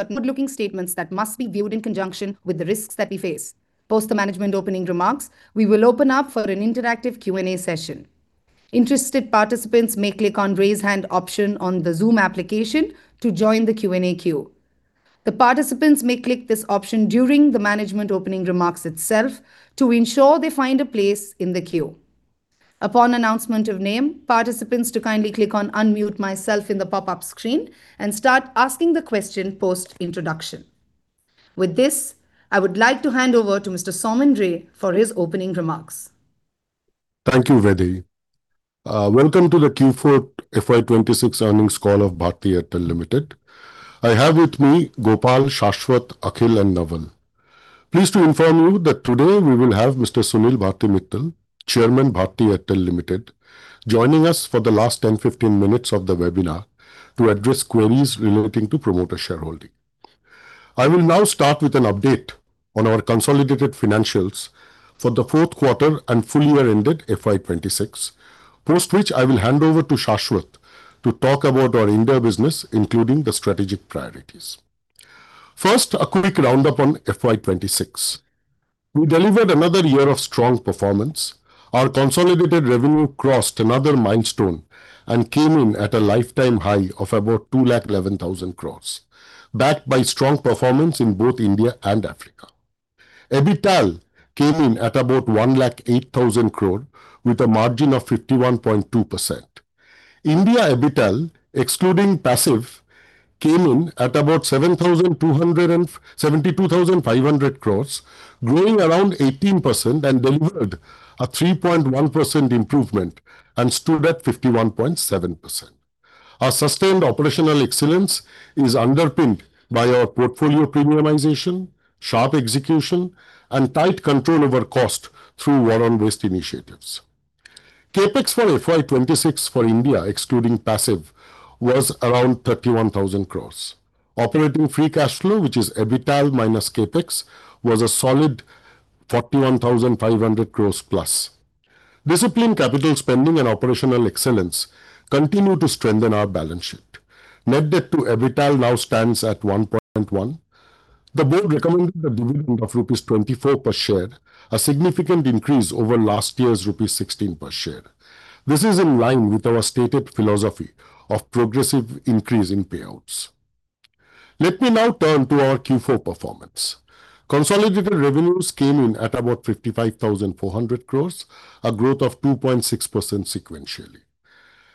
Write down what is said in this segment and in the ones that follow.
Certain forward-looking statements that must be viewed in conjunction with the risks that we face. Post the management opening remarks, we will open up for an interactive Q&A session. Interested participants may click on Raise Hand option on the Zoom application to join the Q&A queue. The participants may click this option during the management opening remarks itself to ensure they find a place in the queue. Upon announcement of name, participants to kindly click on Unmute Myself in the pop-up screen and start asking the question post-introduction. With this, I would like to hand over to Mr. Soumen Ray for his opening remarks. Thank you, Vaidehi. Welcome to the Q4 FY 2026 earnings call of Bharti Airtel Limited. I have with me Gopal, Shashwat, Akhil and Naval. Pleased to inform you that today we will have Mr. Sunil Bharti Mittal, Chairman, Bharti Airtel Limited, joining us for the last 10, 15 minutes of the webinar to address queries relating to promoter shareholding. I will now start with an update on our consolidated financials for the Q4 and full year ended FY 2026, post which I will hand over to Shashwat to talk about our India business, including the strategic priorities. First, a quick roundup on FY 2026. We delivered another year of strong performance. Our consolidated revenue crossed another milestone and came in at a lifetime high of about 211,000 crores, backed by strong performance in both India and Africa. EBITDA came in at about 108,000 crore with a margin of 51.2%. India EBITDA, excluding passive, came in at about 72,500 crore, growing around 18% and delivered a 3.1% improvement and stood at 51.7%. Our sustained operational excellence is underpinned by our portfolio premiumization, sharp execution and tight control over cost through war on waste initiatives. CapEx for FY 2026 for India, excluding passive, was around 31,000 crore. Operating free cash flow, which is EBITDA minus CapEx, was a solid 41,500 crore plus. Disciplined capital spending and operational excellence continue to strengthen our balance sheet. Net debt to EBITDA now stands at 1.1. The board recommended a dividend of rupees 24 per share, a significant increase over last year's rupees 16 per share. This is in line with our stated philosophy of progressive increase in payouts. Let me now turn to our Q4 performance. Consolidated revenues came in at about 55,400 crores, a growth of 2.6% sequentially.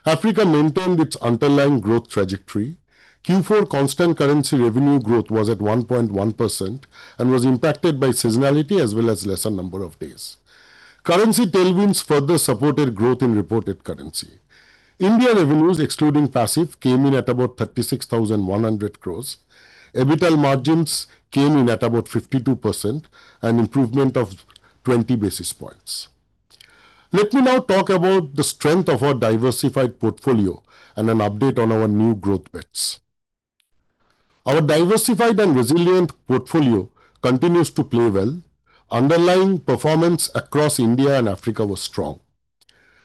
Africa maintained its underlying growth trajectory. Q4 constant currency revenue growth was at 1.1% and was impacted by seasonality as well as lesser number of days. Currency tailwinds further supported growth in reported currency. India revenues, excluding passive, came in at about 36,100 crores. EBITDA margins came in at about 52%, an improvement of 20 basis points. Let me now talk about the strength of our diversified portfolio and an update on our new growth bets. Our diversified and resilient portfolio continues to play well. Underlying performance across India and Africa was strong.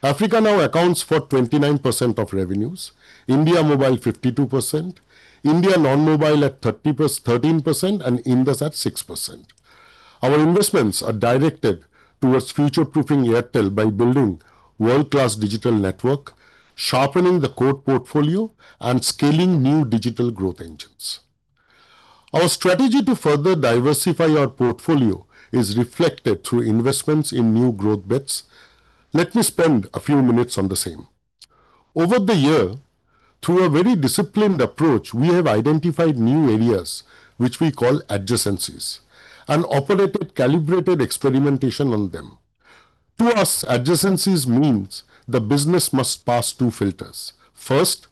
Africa now accounts for 29% of revenues, India mobile 52%, India non-mobile at 13% and Indus at 6%. Our investments are directed towards future-proofing Airtel by building world-class digital network, sharpening the core portfolio and scaling new digital growth engines. Our strategy to further diversify our portfolio is reflected through investments in new growth bets. Let me spend a few minutes on the same. Over the year, through a very disciplined approach, we have identified new areas, which we call adjacencies, and operated calibrated experimentation on them. To us, adjacencies means the business must pass two filters. First,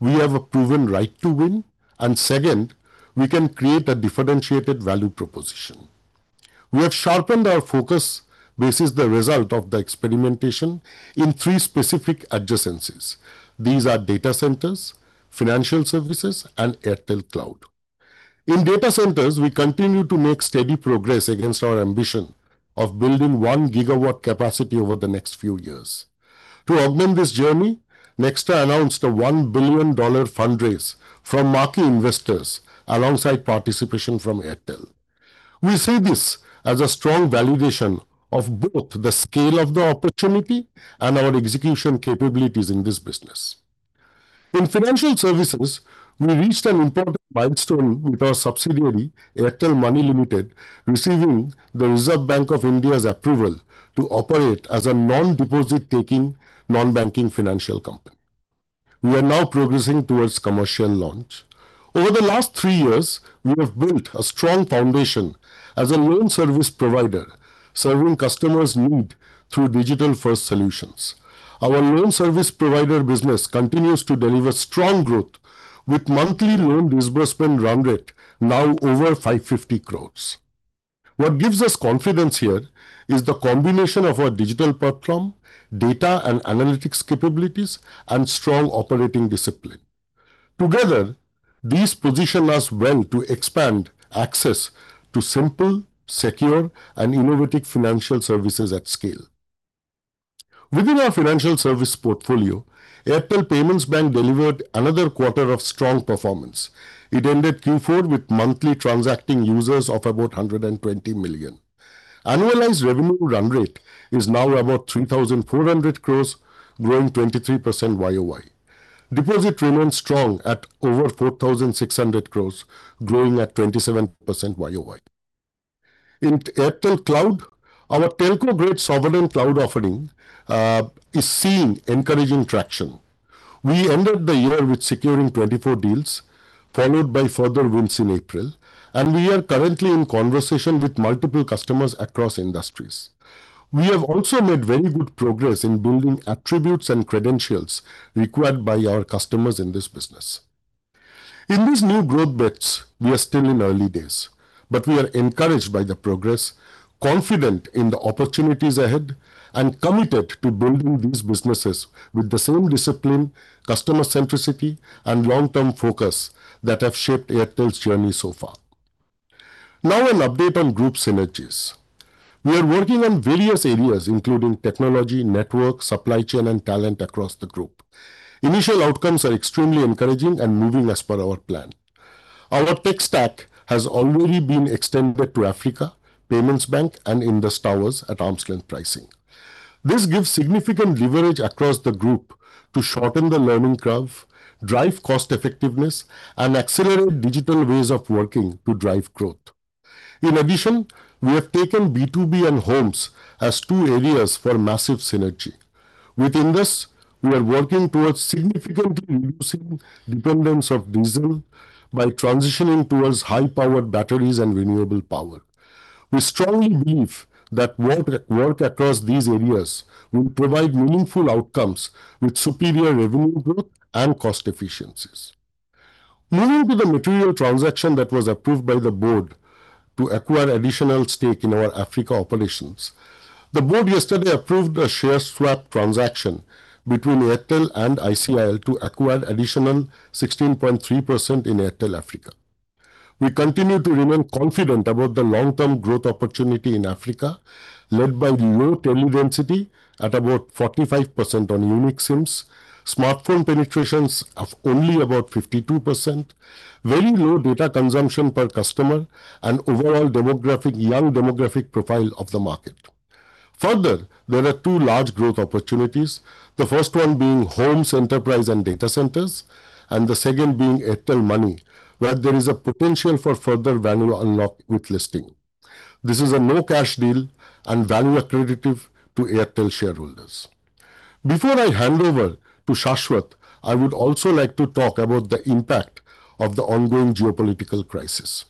we have a proven right to win, and second, we can create a differentiated value proposition. We have sharpened our focus. This is the result of the experimentation in three specific adjacencies. These are data centers, financial services, and Airtel Cloud. In data centers, we continue to make steady progress against our ambition of building 1 GW capacity over the next few years. To augment this journey, Nxtra announced a $1 billion fundraise from marquee investors alongside participation from Airtel. We see this as a strong validation of both the scale of the opportunity and our execution capabilities in this business. In financial services, we reached an important milestone with our subsidiary, Airtel Money Limited, receiving the Reserve Bank of India's approval to operate as a non-deposit taking non-banking financial company. We are now progressing towards commercial launch. Over the last three years, we have built a strong foundation as a loan service provider, serving customers' need through digital-first solutions. Our loan service provider business continues to deliver strong growth with monthly loan disbursement run rate now over 550 crores. What gives us confidence here is the combination of our digital platform, data and analytics capabilities, and strong operating discipline. Together, these position us well to expand access to simple, secure, and innovative financial services at scale. Within our financial service portfolio, Airtel Payments Bank delivered another quarter of strong performance. It ended Q4 with monthly transacting users of about 120 million. Annualized revenue run rate is now about 3,400 crores, growing 23% YOY. Deposit remains strong at over 4,600 crores, growing at 27% YOY. In Airtel Cloud, our telco-grade sovereign cloud offering is seeing encouraging traction. We ended the year with securing 24 deals, followed by further wins in April, and we are currently in conversation with multiple customers across industries. We have also made very good progress in building attributes and credentials required by our customers in this business. In these new growth bets, we are still in early days, but we are encouraged by the progress, confident in the opportunities ahead, and committed to building these businesses with the same discipline, customer centricity, and long-term focus that have shaped Airtel's journey so far. Now, an update on Group synergies. We are working on various areas, including technology, network, supply chain, and talent across the group. Initial outcomes are extremely encouraging and moving as per our plan. Our tech stack has already been extended to Africa, Payments Bank, and Indus Towers at arm's-length pricing. This gives significant leverage across the group to shorten the learning curve, drive cost effectiveness, and accelerate digital ways of working to drive growth. In addition, we have taken B2B and Homes as two areas for massive synergy. Within this, we are working towards significantly reducing dependence of diesel by transitioning towards high-powered batteries and renewable power. We strongly believe that work across these areas will provide meaningful outcomes with superior revenue growth and cost efficiencies. Moving to the material transaction that was approved by the board to acquire additional stake in our Africa operations. The board yesterday approved a share swap transaction between Airtel and ICIL to acquire additional 16.3% in Airtel Africa. We continue to remain confident about the long-term growth opportunity in Africa, led by low tele-density at about 45% on unique SIMs, smartphone penetrations of only about 52%, very low data consumption per customer, and overall demographic, young demographic profile of the market. Further, there are two large growth opportunities, the first one being Homes, Enterprise, and Data Centers, and the second being Airtel Money, where there is a potential for further value unlock with listing. This is a no-cash deal and value accretive to Airtel shareholders. Before I hand over to Shashwat, I would also like to talk about the impact of the ongoing geopolitical crisis.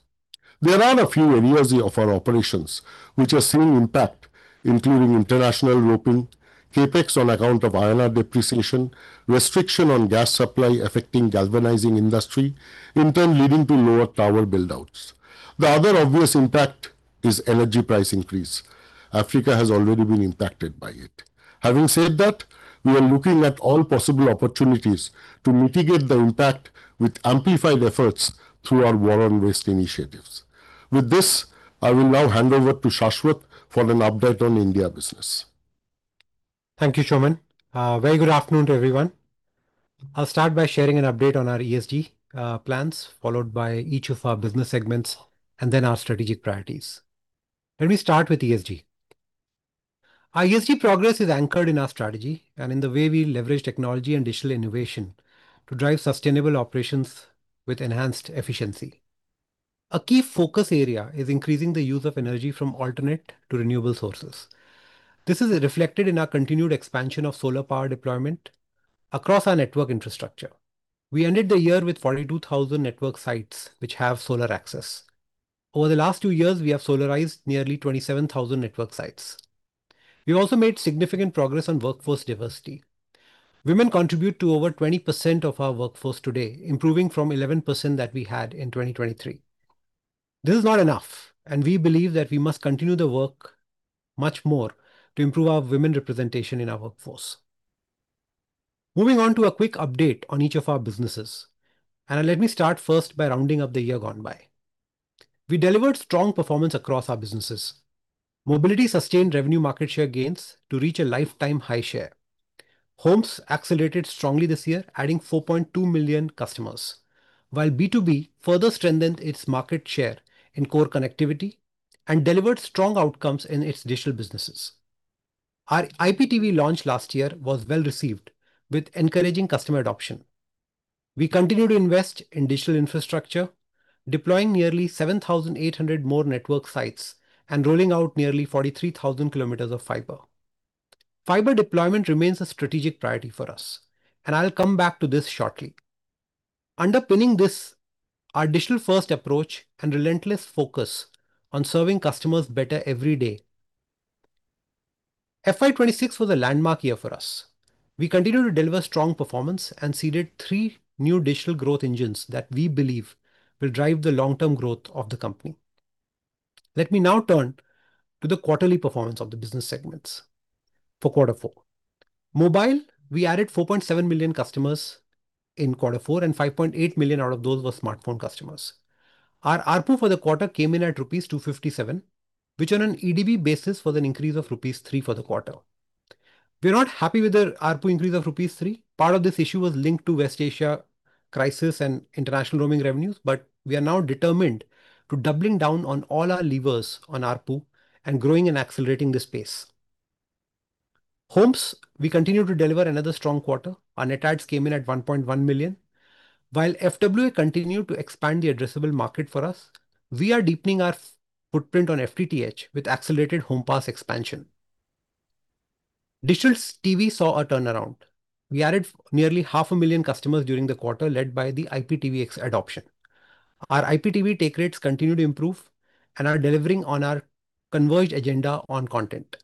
There are a few areas of our operations which are seeing impact, including international roaming, CapEx on account of INR depreciation, restriction on gas supply affecting galvanizing industry, in turn leading to lower tower build-outs. The other obvious impact is energy price increase. Africa has already been impacted by it. Having said that, we are looking at all possible opportunities to mitigate the impact with amplified efforts through our War on Waste initiatives. With this, I will now hand over to Shashwat for an update on India business. Thank you, Soumen Ray. Very good afternoon to everyone. I'll start by sharing an update on our ESG plans, followed by each of our business segments, then our strategic priorities. Let me start with ESG. Our ESG progress is anchored in our strategy and in the way we leverage technology and digital innovation to drive sustainable operations with enhanced efficiency. A key focus area is increasing the use of energy from alternate to renewable sources. This is reflected in our continued expansion of solar power deployment across our network infrastructure. We ended the year with 42,000 network sites which have solar access. Over the last two years, we have solarized nearly 27,000 network sites. We've also made significant progress on workforce diversity. Women contribute to over 20% of our workforce today, improving from 11% that we had in 2023. This is not enough, and we believe that we must continue the work much more to improve our women representation in our workforce. Moving on to a quick update on each of our businesses, and let me start first by rounding up the year gone by. We delivered strong performance across our businesses. Mobility sustained revenue market share gains to reach a lifetime high share. Homes accelerated strongly this year, adding 4.2 million customers, while B2B further strengthened its market share in core connectivity and delivered strong outcomes in its digital businesses. Our IPTV launch last year was well received, with encouraging customer adoption. We continue to invest in digital infrastructure, deploying nearly 7,800 more network sites and rolling out nearly 43,000 kilometers of fiber. Fiber deployment remains a strategic priority for us, and I'll come back to this shortly. Underpinning this, our digital-first approach and relentless focus on serving customers better every day. FY 2026 was a landmark year for us. We continued to deliver strong performance and seeded three new digital growth engines that we believe will drive the long-term growth of the company. Let me now turn to the quarterly performance of the business segments for Q4. Mobile, we added 4.7 million customers in Q4 and 5.8 million out of those were smartphone customers. Our ARPU for the quarter came in at rupees 257, which on an EBITDA basis was an increase of rupees 3 for the quarter. We are not happy with the ARPU increase of rupees 3. Part of this issue was linked to West Asia crisis and international roaming revenues. We are now determined to doubling down on all our levers on ARPU and growing and accelerating this space. Homes, we continue to deliver another strong quarter. Our net adds came in at 1.1 million. While FWA continued to expand the addressable market for us, we are deepening our footprint on FTTH with accelerated home pass expansion. Digital TV saw a turnaround. We added nearly half a million customers during the quarter, led by the IPTV adoption. Our IPTV take rates continue to improve and are delivering on our converged agenda on content.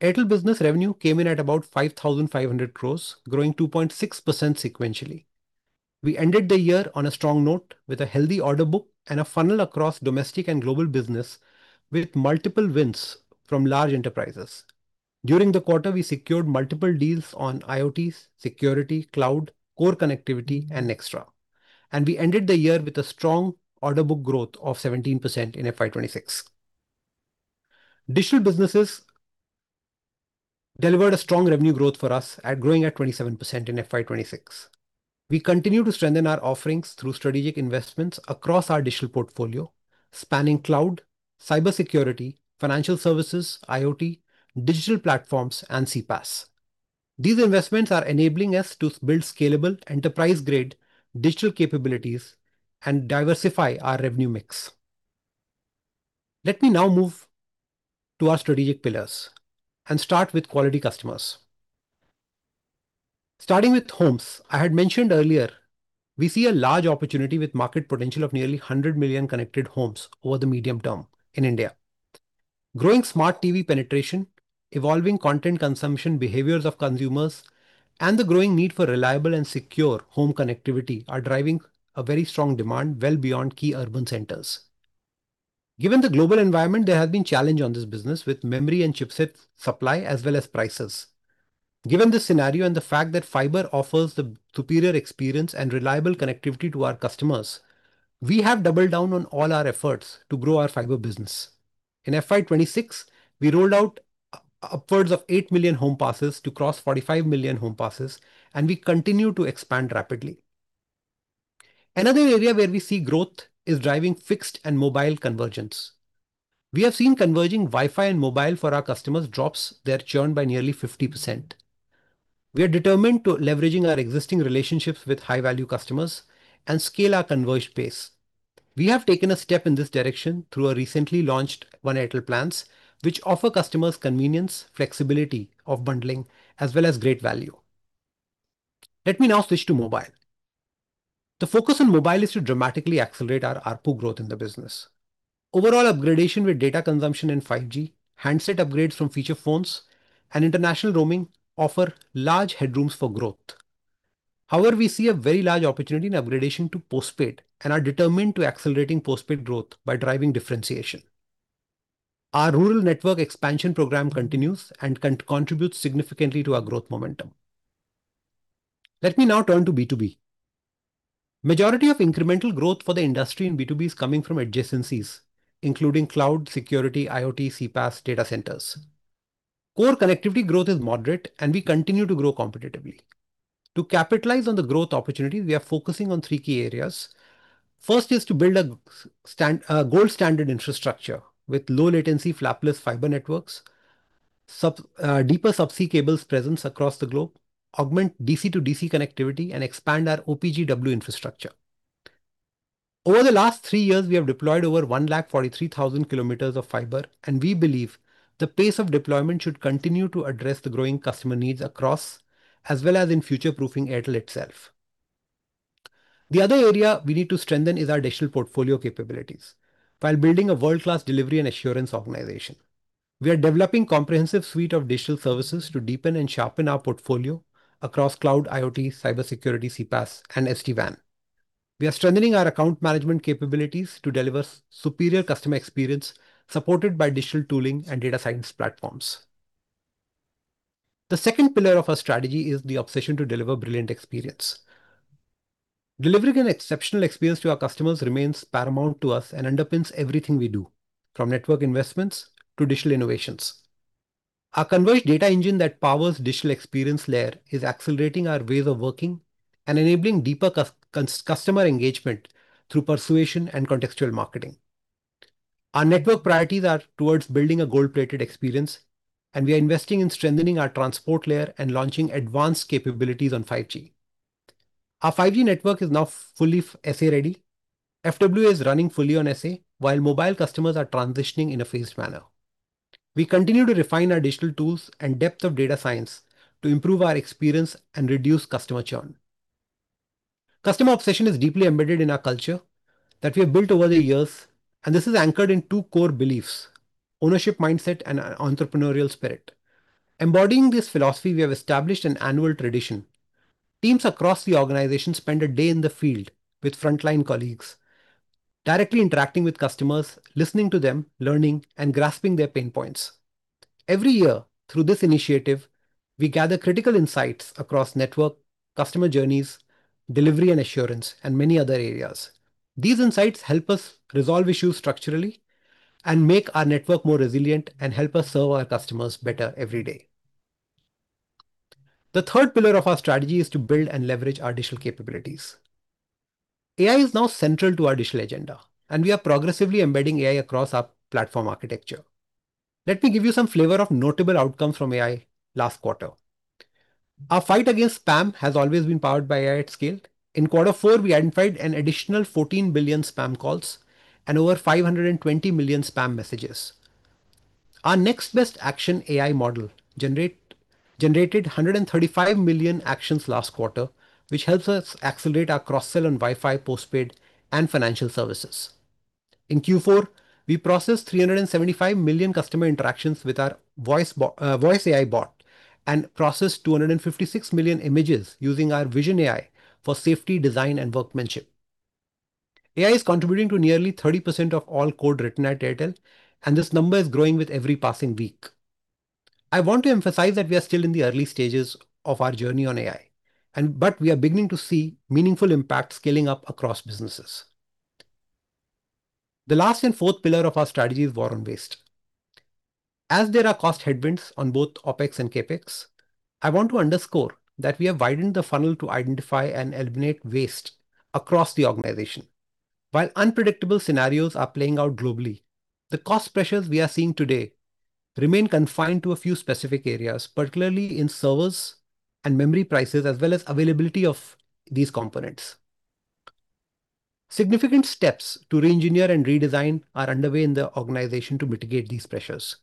Airtel Business revenue came in at about 5,500 crores, growing 2.6% sequentially. We ended the year on a strong note with a healthy order book and a funnel across domestic and global business with multiple wins from large enterprises. During the quarter, we secured multiple deals on IoT, security, cloud, core connectivity, and Nxtra. We ended the year with a strong order book growth of 17% in FY 2026. Digital businesses delivered a strong revenue growth for us at growing at 27% in FY 2026. We continue to strengthen our offerings through strategic investments across our digital portfolio, spanning cloud, cybersecurity, financial services, IoT, digital platforms, and CPaaS. These investments are enabling us to build scalable enterprise-grade digital capabilities and diversify our revenue mix. Let me now move to our strategic pillars and start with quality customers. Starting with Homes, I had mentioned earlier, we see a large opportunity with market potential of nearly 100 million connected homes over the medium term in India. Growing Smart TV penetration, evolving content consumption behaviors of consumers, and the growing need for reliable and secure home connectivity are driving a very strong demand well beyond key urban centers. Given the global environment, there has been challenge on this business with memory and chipset supply as well as prices. Given this scenario and the fact that fiber offers the superior experience and reliable connectivity to our customers, we have doubled down on all our efforts to grow our fiber business. In FY 2026, we rolled out upwards of 8 million home passes to cross 45 million home passes, and we continue to expand rapidly. Another area where we see growth is driving fixed and mobile convergence. We have seen converging Wi-Fi and mobile for our customers drops their churn by nearly 50%. We are determined to leveraging our existing relationships with high-value customers and scale our converge base. We have taken a step in this direction through our recently launched One Airtel plans, which offer customers convenience, flexibility of bundling, as well as great value. Let me now switch to mobile. The focus on mobile is to dramatically accelerate our ARPU growth in the business. Overall upgradation with data consumption and 5G, handset upgrades from feature phones and international roaming offer large headrooms for growth. However, we see a very large opportunity in upgradation to postpaid and are determined to accelerating postpaid growth by driving differentiation. Our rural network expansion program continues and contributes significantly to our growth momentum. Let me now turn to B2B. Majority of incremental growth for the industry in B2B is coming from adjacencies, including cloud, security, IoT, CPaaS, data centers. Core connectivity growth is moderate, and we continue to grow competitively. To capitalize on the growth opportunity, we are focusing on three key areas. First is to build a gold standard infrastructure with low latency flapless fiber networks, sub, deeper subsea cables presence across the globe, augment DC-to-DC connectivity, and expand our OPGW infrastructure. Over the last three years, we have deployed over 143,000 kilometers of fiber, and we believe the pace of deployment should continue to address the growing customer needs across, as well as in future-proofing Airtel itself. The other area we need to strengthen is our digital portfolio capabilities while building a world-class delivery and assurance organization. We are developing comprehensive suite of digital services to deepen and sharpen our portfolio across cloud, IoT, cybersecurity, CPaaS, and SD-WAN. We are strengthening our account management capabilities to deliver superior customer experience supported by digital tooling and data science platforms. The second pillar of our strategy is the obsession to deliver brilliant experience. Delivering an exceptional experience to our customers remains paramount to us and underpins everything we do, from network investments to digital innovations. Our converged data engine that powers digital experience layer is accelerating our ways of working and enabling deeper customer engagement through persuasion and contextual marketing. Our network priorities are towards building a gold-plated experience, and we are investing in strengthening our transport layer and launching advanced capabilities on 5G. Our 5G network is now fully SA ready. FWA is running fully on SA, while mobile customers are transitioning in a phased manner. We continue to refine our digital tools and depth of data science to improve our experience and reduce customer churn. Customer obsession is deeply embedded in our culture that we have built over the years, and this is anchored in two core beliefs: ownership mindset and entrepreneurial spirit. Embodying this philosophy, we have established an annual tradition. Teams across the organization spend a day in the field with frontline colleagues, directly interacting with customers, listening to them, learning, and grasping their pain points. Every year through this initiative, we gather critical insights across network, customer journeys, delivery and assurance, and many other areas. These insights help us resolve issues structurally and make our network more resilient and help us serve our customers better every day. The third pillar of our strategy is to build and leverage our digital capabilities. AI is now central to our digital agenda, and we are progressively embedding AI across our platform architecture. Let me give you some flavor of notable outcomes from AI last quarter. Our fight against spam has always been powered by AI at scale. In Q4, we identified an additional 14 billion spam calls and over 520 million spam messages. Our next best action AI model generated 135 million actions last quarter, which helps us accelerate our cross-sell and Wi-Fi postpaid and financial services. In Q4, we processed 375 million customer interactions with our voice AI bot and processed 256 million images using our vision AI for safety, design, and workmanship. AI is contributing to nearly 30% of all code written at Airtel. This number is growing with every passing week. I want to emphasize that we are still in the early stages of our journey on AI. We are beginning to see meaningful impact scaling up across businesses. The last and fourth pillar of our strategy is War on Waste. As there are cost headwinds on both OpEx and CapEx, I want to underscore that we have widened the funnel to identify and eliminate waste across the organization. While unpredictable scenarios are playing out globally, the cost pressures we are seeing today remain confined to a few specific areas, particularly in servers and memory prices, as well as availability of these components. Significant steps to re-engineer and redesign are underway in the organization to mitigate these pressures.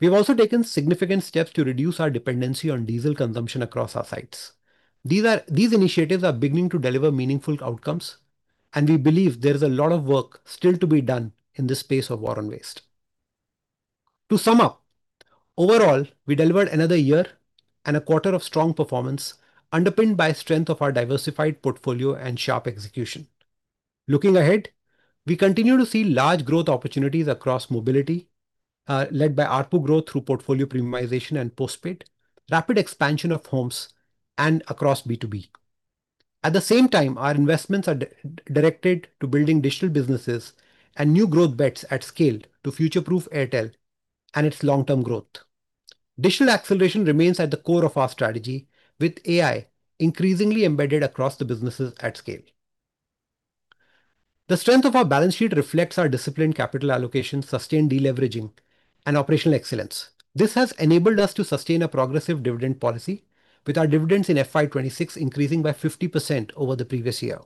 We've also taken significant steps to reduce our dependency on diesel consumption across our sites. These initiatives are beginning to deliver meaningful outcomes, and we believe there is a lot of work still to be done in the space of War on Waste. To sum up, overall, we delivered another year and a quarter of strong performance underpinned by strength of our diversified portfolio and sharp execution. Looking ahead, we continue to see large growth opportunities across mobility, led by ARPU growth through portfolio premiumization and postpaid, rapid expansion of homes, and across B2B. At the same time, our investments are directed to building digital businesses and new growth bets at scale to future-proof Airtel and its long-term growth. Digital acceleration remains at the core of our strategy with AI increasingly embedded across the businesses at scale. The strength of our balance sheet reflects our disciplined capital allocation, sustained deleveraging, and operational excellence. This has enabled us to sustain a progressive dividend policy, with our dividends in FY 2026 increasing by 50% over the previous year.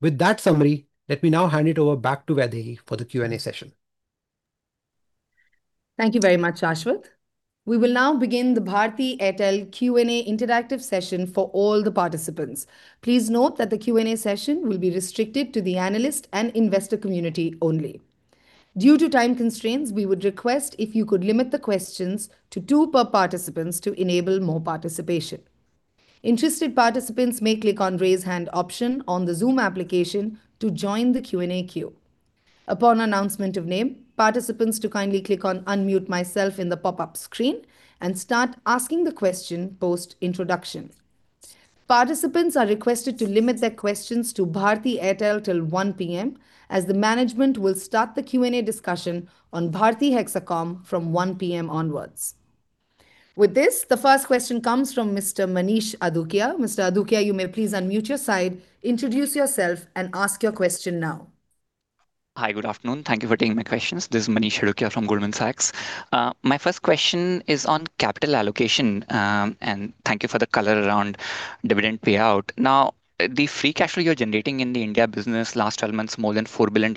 With that summary, let me now hand it over back to Vaidehi for the Q&A session. Thank you very much, Shashwat. We will now begin the Bharti Airtel Q&A interactive session for all the participants. Please note that the Q&A session will be restricted to the analyst and investor community only. Due to time constraints, we would request if you could limit the questions to two per participants to enable more participation. Interested participants may click on Raise Hand option on the Zoom application to join the Q&A queue. Upon announcement of name, participants to kindly click on Unmute Myself in the pop-up screen and start asking the question post introduction. Participants are requested to limit their questions to Bharti Airtel till 1:00 P.M., as the management will start the Q&A discussion on Bharti Hexacom from 1:00 P.M. onwards. With this, the first question comes from Mr. Manish Adukia. Mr. Adukia, you may please unmute your side, introduce yourself, and ask your question now. Hi. Good afternoon. Thank you for taking my questions. This is Manish Adukia from Goldman Sachs. My first question is on capital allocation. Thank you for the color around dividend payout. Now, the free cash flow you're generating in the India business, last 12 months, more than $4 billion,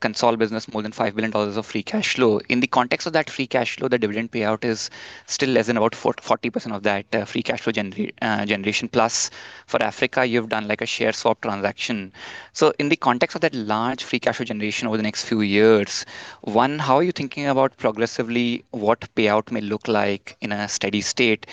consolidated business, more than $5 billion of free cash flow. In the context of that free cash flow, the dividend payout is still less than about 40% of that free cash flow generation. For Africa, you've done like a share swap transaction. In the context of that large free cash flow generation over the next few years, one, how are you thinking about progressively what payout may look like in a steady state?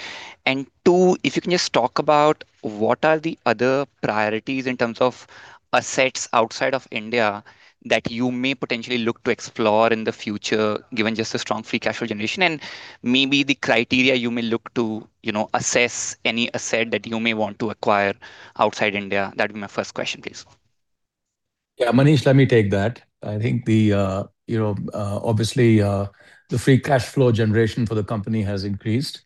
Two, if you can just talk about what are the other priorities in terms of assets outside of India that you may potentially look to explore in the future, given just the strong free cash flow generation, and maybe the criteria you may look to, you know, assess any asset that you may want to acquire outside India. That'd be my first question, please. Yeah, Manish, let me take that. I think the, you know, obviously, the free cash flow generation for the company has increased,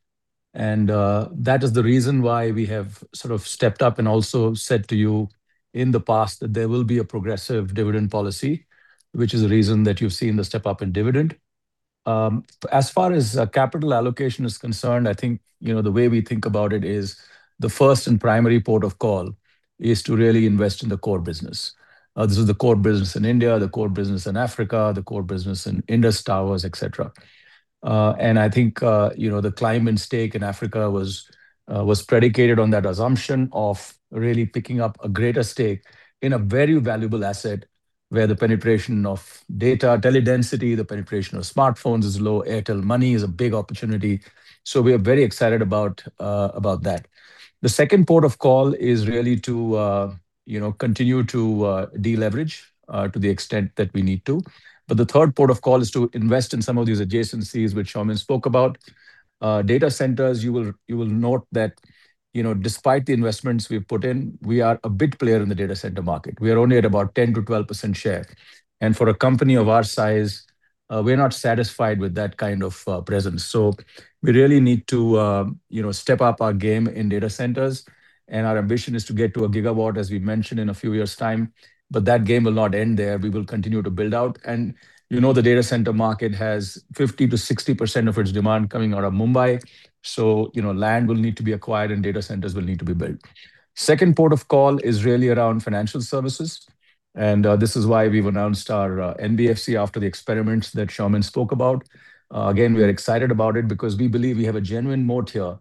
and that is the reason why we have sort of stepped up and also said to you in the past that there will be a progressive dividend policy, which is the reason that you've seen the step up in dividend. As far as capital allocation is concerned, I think, you know, the way we think about it is the first and primary port of call is to really invest in the core business. This is the core business in India, the core business in Africa, the core business in Indus Towers, et cetera. I think, you know, ICIL's stake in Africa was predicated on that assumption of really picking up a greater stake in a very valuable asset. Where the penetration of data, tele-density, the penetration of smartphones is low. Airtel Money is a big opportunity. We are very excited about about that. The second port of call is really to, you know, continue to deleverage to the extent that we need to. The third port of call is to invest in some of these adjacencies which Soumen Ray spoke about. Data centers, you will note that, you know, despite the investments we've put in, we are a big player in the data center market. We are only at about 10%-12% share. For a company of our size, we're not satisfied with that kind of presence. We really need to, you know, step up our game in data centers, and our ambition is to get to a gigawatt, as we've mentioned, in a few years' time. That game will not end there. We will continue to build out. You know, the data center market has 50%-60% of its demand coming out of Mumbai, so, you know, land will need to be acquired and data centers will need to be built. Second port of call is really around financial services, and this is why we've announced our NBFC after the experiments that Soumen Ray spoke about. Again, we are excited about it because we believe we have a genuine moat here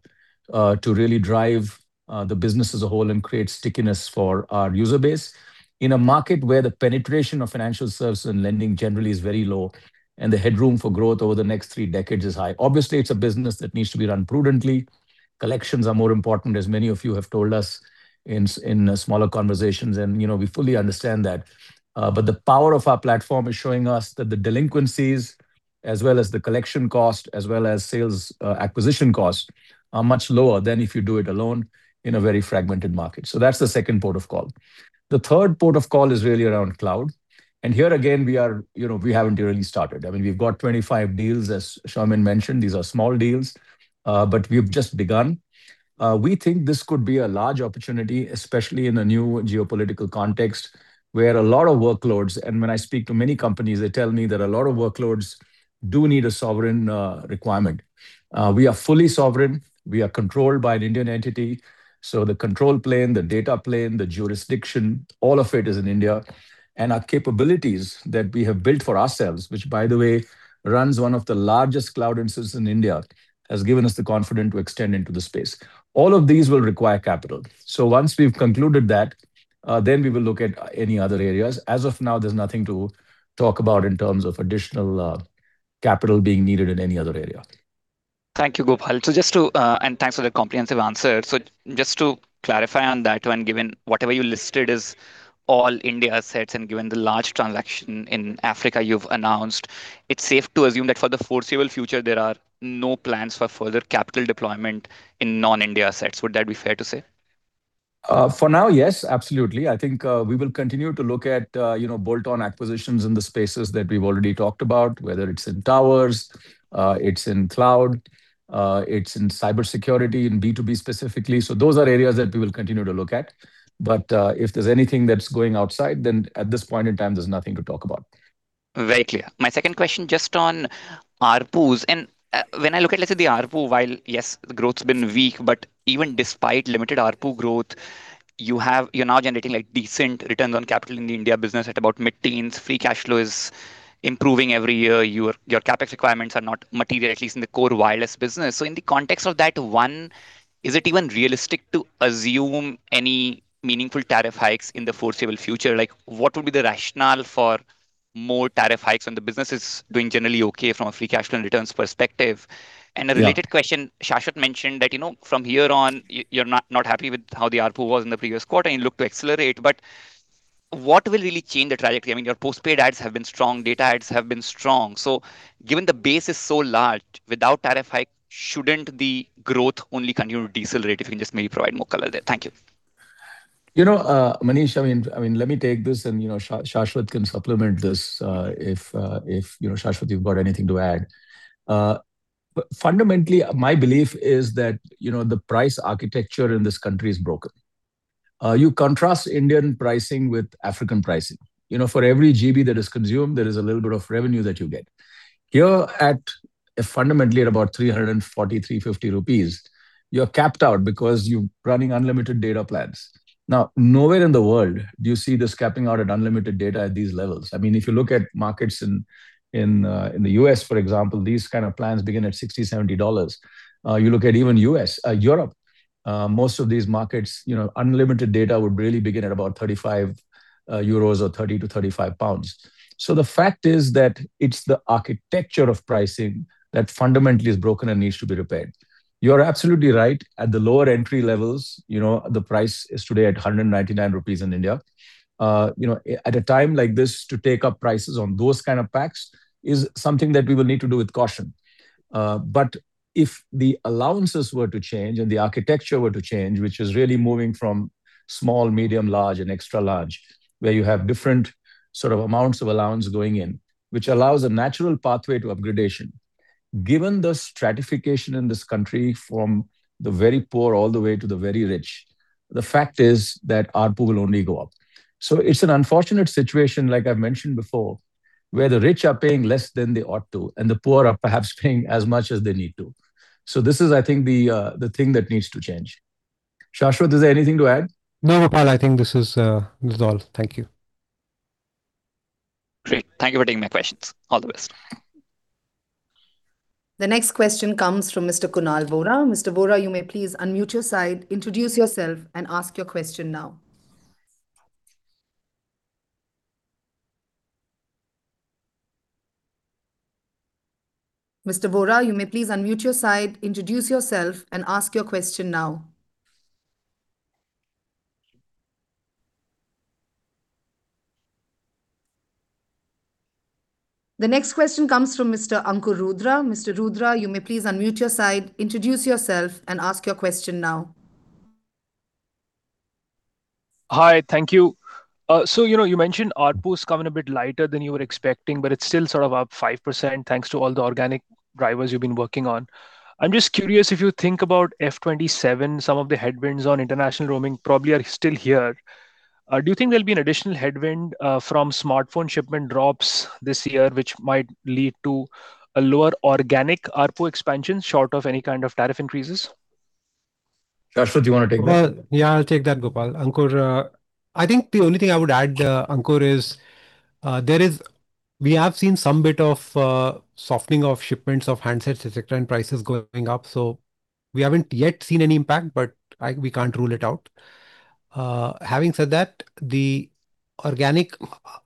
to really drive the business as a whole and create stickiness for our user base in a market where the penetration of financial services and lending generally is very low and the headroom for growth over the next three decades is high. Obviously, it's a business that needs to be run prudently. Collections are more important, as many of you have told us in smaller conversations, and, you know, we fully understand that. But the power of our platform is showing us that the delinquencies, as well as the collection cost, as well as sales acquisition cost, are much lower than if you do it alone in a very fragmented market. That's the second port of call. The third port of call is really around cloud. Here again, we are, you know, we haven't really started. I mean, we've got 25 deals, as Soumen mentioned. These are small deals, we've just begun. We think this could be a large opportunity, especially in a new geopolitical context, where a lot of workloads, and when I speak to many companies, they tell me that a lot of workloads do need a sovereign requirement. We are fully sovereign. We are controlled by an Indian entity, so the control plane, the data plane, the jurisdiction, all of it is in India. Our capabilities that we have built for ourselves, which by the way, runs one of the largest cloud instances in India, has given us the confidence to extend into the space. All of these will require capital. Once we've concluded that, then we will look at any other areas. As of now, there's nothing to talk about in terms of additional capital being needed in any other area. Thank you, Gopal. And thanks for the comprehensive answer. Just to clarify on that one, given whatever you listed is all India assets and given the large transaction in Africa you've announced, it's safe to assume that for the foreseeable future, there are no plans for further capital deployment in non-India assets, would that be fair to say? For now, yes, absolutely. I think, we will continue to look at, you know, bolt-on acquisitions in the spaces that we've already talked about, whether it's in towers, it's in cloud, it's in cybersecurity, in B2B specifically. Those are areas that we will continue to look at. If there's anything that's going outside, then at this point in time, there's nothing to talk about. Very clear. My second question, just on ARPUs and when I look at, let's say, the ARPU, while, yes, the growth's been weak, but even despite limited ARPU growth, you're now generating like decent returns on capital in the India business at about mid-teens. Free cash flow is improving every year. Your CapEx requirements are not material, at least in the core wireless business. In the context of that, one, is it even realistic to assume any meaningful tariff hikes in the foreseeable future? Like, what would be the rationale for more tariff hikes when the business is doing generally okay from a free cash flow and returns perspective? Yeah. A related question, Shashwat mentioned that, you know, from here on you're not happy with how the ARPU was in the previous quarter and you look to accelerate, but what will really change the trajectory? I mean, your postpaid adds have been strong, data adds have been strong. Given the base is so large, without tariff hike, shouldn't the growth only continue to decelerate? If you can just maybe provide more color there. Thank you. You know, Manish, I mean, let me take this and, you know, Shashwat can supplement this, if, you know, Shashwat, you've got anything to add. Fundamentally, my belief is that, you know, the price architecture in this country is broken. You contrast Indian pricing with African pricing. You know, for every GB that is consumed, there is a little bit of revenue that you get. Here at, fundamentally at about 340 rupees, 350 rupees, you're capped out because you're running unlimited data plans. Nowhere in the world do you see this capping out at unlimited data at these levels. I mean, if you look at markets in the U.S., for example, these kind of plans begin at $60, $70. You look at even U.S., Europe, most of these markets, you know, unlimited data would really begin at about 35 euros or 30-35 pounds. The fact is that it's the architecture of pricing that fundamentally is broken and needs to be repaired. You're absolutely right. At the lower entry levels, you know, the price is today at 199 rupees in India. You know, at a time like this, to take up prices on those kind of packs is something that we will need to do with caution. But if the allowances were to change and the architecture were to change, which is really moving from small, medium, large and extra-large, where you have different sort of amounts of allowance going in, which allows a natural pathway to upgradation. Given the stratification in this country from the very poor all the way to the very rich, the fact is that ARPU will only go up. It's an unfortunate situation, like I've mentioned before, where the rich are paying less than they ought to and the poor are perhaps paying as much as they need to. This is, I think, the thing that needs to change. Shashwat, is there anything to add? No, Gopal, I think this is all. Thank you. Great. Thank you for taking my questions. All the best. The next question comes from Mr. Ankur Rudra. Mr. Rudra, you may please unmute your side, introduce yourself, and ask your question now. The next question comes from Mr. Ankur Rudra. Mr. Rudra, you may please unmute your side, introduce yourself, and ask your question now. Hi. Thank you. You know, you mentioned ARPU is coming a bit lighter than you were expecting, but it's still sort of up 5% thanks to all the organic drivers you've been working on. I'm just curious if you think about F 27, some of the headwinds on international roaming probably are still here. Do you think there'll be an additional headwind from smartphone shipment drops this year, which might lead to a lower organic ARPU expansion, short of any kind of tariff increases? Shashwat, do you wanna take that? Well, yeah, I'll take that, Gopal. Ankur, I think the only thing I would add, Ankur is, We have seen some bit of softening of shipments of handsets, et cetera, and prices going up, so we haven't yet seen any impact, but we can't rule it out. Having said that, the organic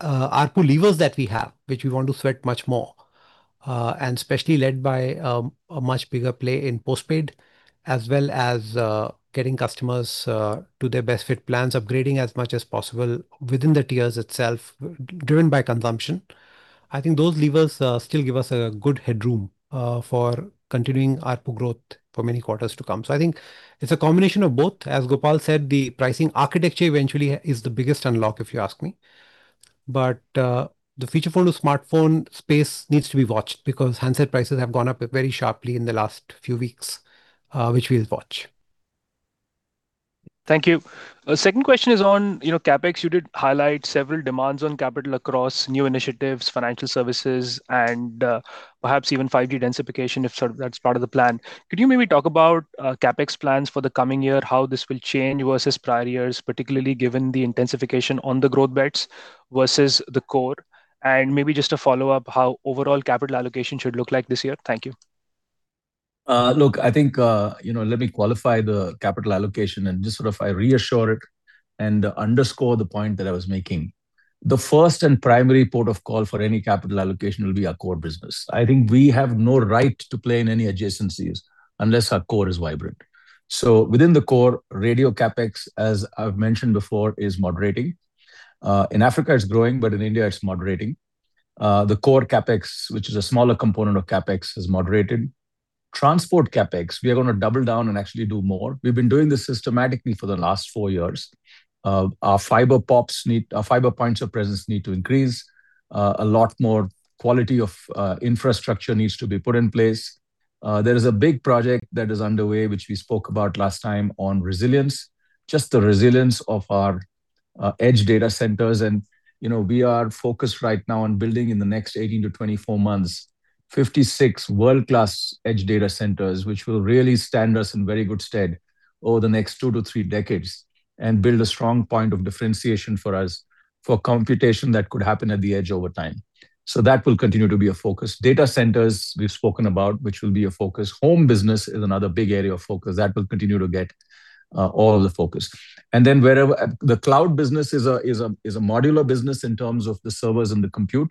ARPU levers that we have, which we want to sweat much more, and especially led by a much bigger play in postpaid as well as getting customers to their best fit plans, upgrading as much as possible within the tiers itself, driven by consumption. I think those levers still give us a good headroom for continuing ARPU growth for many quarters to come. I think it's a combination of both. As Gopal said, the pricing architecture eventually is the biggest unlock, if you ask me. The feature phone to smartphone space needs to be watched because handset prices have gone up very sharply in the last few weeks, which we'll watch. Thank you. Second question is on, you know, CapEx. You did highlight several demands on capital across new initiatives, financial services and, perhaps even 5G densification if sort of that's part of the plan. Could you maybe talk about CapEx plans for the coming year, how this will change versus prior years, particularly given the intensification on the growth bets versus the core? Maybe just to follow up, how overall capital allocation should look like this year. Thank you. Look, I think, you know, let me qualify the capital allocation and just sort of I reassure it and underscore the point that I was making. The first and primary port of call for any capital allocation will be our core business. I think we have no right to play in any adjacencies unless our core is vibrant. Within the core, radio CapEx, as I've mentioned before, is moderating. In Africa it's growing, in India it's moderating. The core CapEx, which is a smaller component of CapEx, is moderated. Transport CapEx, we are gonna double down and actually do more. We've been doing this systematically for the last four years. Our fiber points of presence need to increase. A lot more quality of infrastructure needs to be put in place. There is a big project that is underway, which we spoke about last time, on resilience, just the resilience of our edge data centers. You know, we are focused right now on building in the next 18-24 months 56 world-class edge data centers, which will really stand us in very good stead over the next two-three decades and build a strong point of differentiation for us for computation that could happen at the edge over time. That will continue to be a focus. Data centers we've spoken about, which will be a focus. Home business is another big area of focus. That will continue to get all the focus. The cloud business is a modular business in terms of the servers and the compute.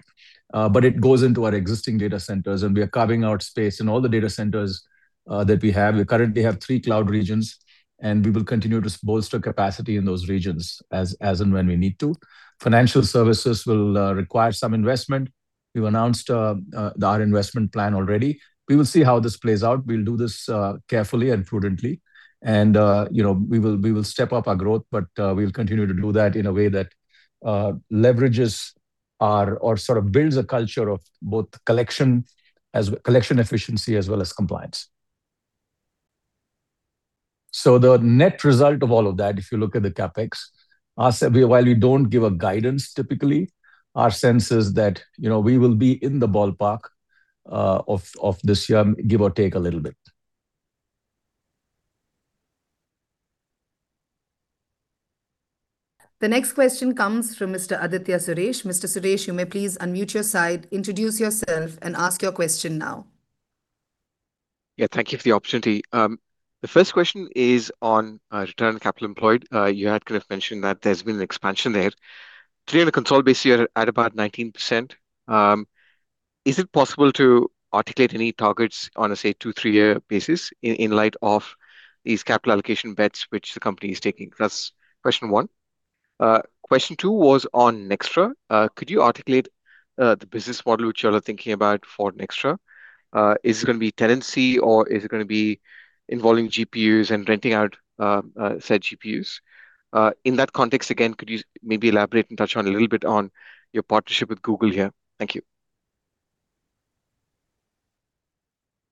It goes into our existing data centers. We are carving out space in all the data centers that we have. We currently have three cloud regions. We will continue to bolster capacity in those regions as and when we need to. Financial services will require some investment. We've announced that investment plan already. We will see how this plays out. We'll do this carefully and prudently, you know, we will step up our growth. We'll continue to do that in a way that leverages our or sort of builds a culture of both collection efficiency as well as compliance. The net result of all of that, if you look at the CapEx, we, while we don't give a guidance typically, our sense is that, you know, we will be in the ballpark, of this year, give or take a little bit. The next question comes from Mr. Aditya Suresh. Mr. Suresh, you may please unmute your side, introduce yourself, and ask your question now. Thank you for the opportunity. The first question is on return on capital employed. You had kind of mentioned that there's been an expansion there. Three on a consolidated base, you're at about 19%. Is it possible to articulate any targets on a, say, two, three-year basis in light of these capital allocation bets which the company is taking? That's question one. Question two was on Nxtra. Could you articulate the business model which you all are thinking about for Nxtra? Is it gonna be tenancy or is it gonna be involving GPUs and renting out said GPUs? In that context, again, could you maybe elaborate and touch on a little bit on your partnership with Google here? Thank you.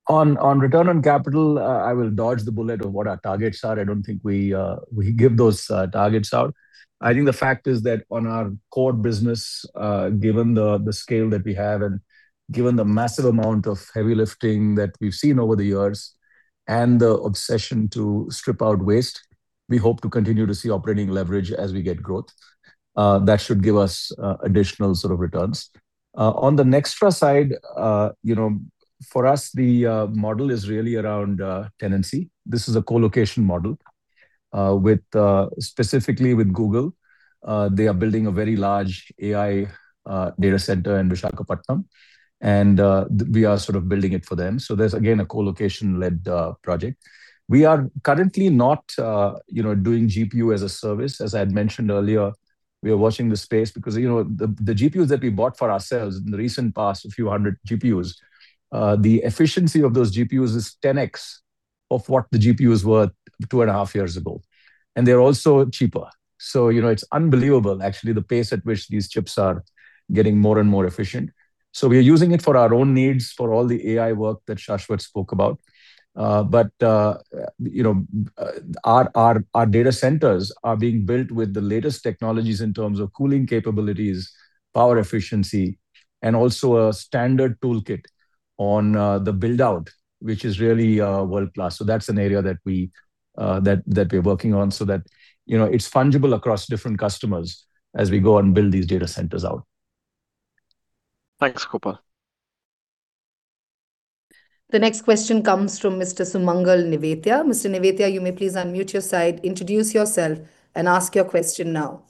On, on return on capital, I will dodge the bullet of what our targets are. I don't think we give those targets out. I think the fact is that on our core business, given the scale that we have and given the massive amount of heavy lifting that we've seen over the years and the obsession to strip out waste. We hope to continue to see operating leverage as we get growth. That should give us additional sort of returns. On the Nxtra side, you know, for us the model is really around tenancy. This is a co-location model, with specifically with Google. They are building a very large AI data center in Visakhapatnam and we are sort of building it for them. There's again a co-location led project. We are currently not, you know, doing GPU as a service. As I had mentioned earlier, we are watching the space because, you know, the GPUs that we bought for ourselves in the recent past, a few hundred GPUs, the efficiency of those GPUs is 10x of what the GPUs were two and a half years ago, and they're also cheaper. You know, it's unbelievable actually the pace at which these chips are getting more and more efficient. We are using it for our own needs for all the AI work that Shashwat spoke about. You know, our data centers are being built with the latest technologies in terms of cooling capabilities, power efficiency, and also a standard toolkit on the build-out, which is really world-class. That's an area that we that we're working on so that, you know, it's fungible across different customers as we go and build these data centers out. Thanks, Gopal. The next question comes from Mr. Sumangal Nevatia. Mr. Nevatia, you may please unmute your side, introduce yourself and ask your question now.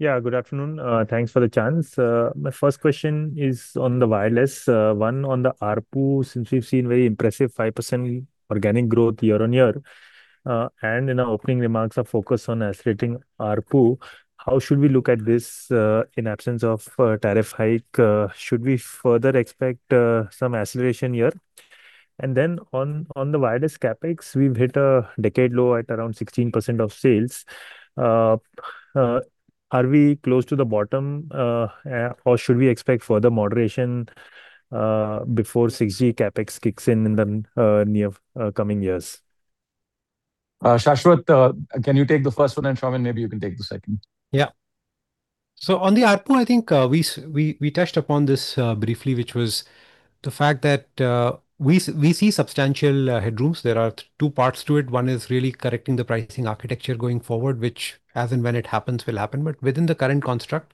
Yeah. Good afternoon. Thanks for the chance. My first question is on the wireless, one on the ARPU, since we've seen very impressive 5% organic growth year-on-year, and in our opening remarks are focused on accelerating ARPU, how should we look at this in absence of a tariff hike? Should we further expect some acceleration here? Then on the wireless CapEx, we've hit a decade low at around 16% of sales. Are we close to the bottom, or should we expect further moderation before 6G CapEx kicks in in the coming years? Shashwat, can you take the first one, and Soumen Ray, maybe you can take the second. Yeah. On the ARPU, I think, we touched upon this briefly, which was the fact that, we see substantial headrooms. There are two parts to it. One is really correcting the pricing architecture going forward, which as and when it happens will happen. Within the current construct,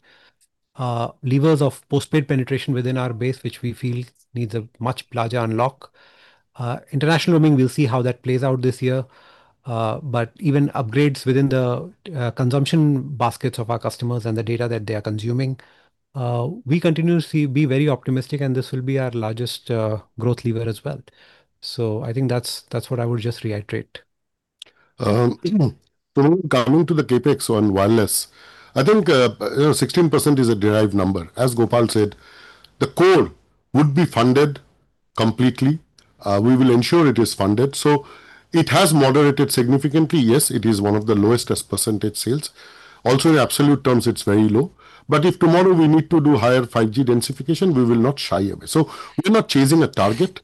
levers of postpaid penetration within our base, which we feel needs a much larger unlock. International roaming, we'll see how that plays out this year. Even upgrades within the consumption baskets of our customers and the data that they are consuming, we continue to see, be very optimistic and this will be our largest growth lever as well. I think that's what I would just reiterate. Coming to the CapEx on wireless, I think 16% is a derived number. As Gopal said, the core would be funded completely. We will ensure it is funded. It has moderated significantly. Yes, it is one of the lowest as percentage sales. Also in absolute terms it's very low. If tomorrow we need to do higher 5G densification, we will not shy away. We are not chasing a target,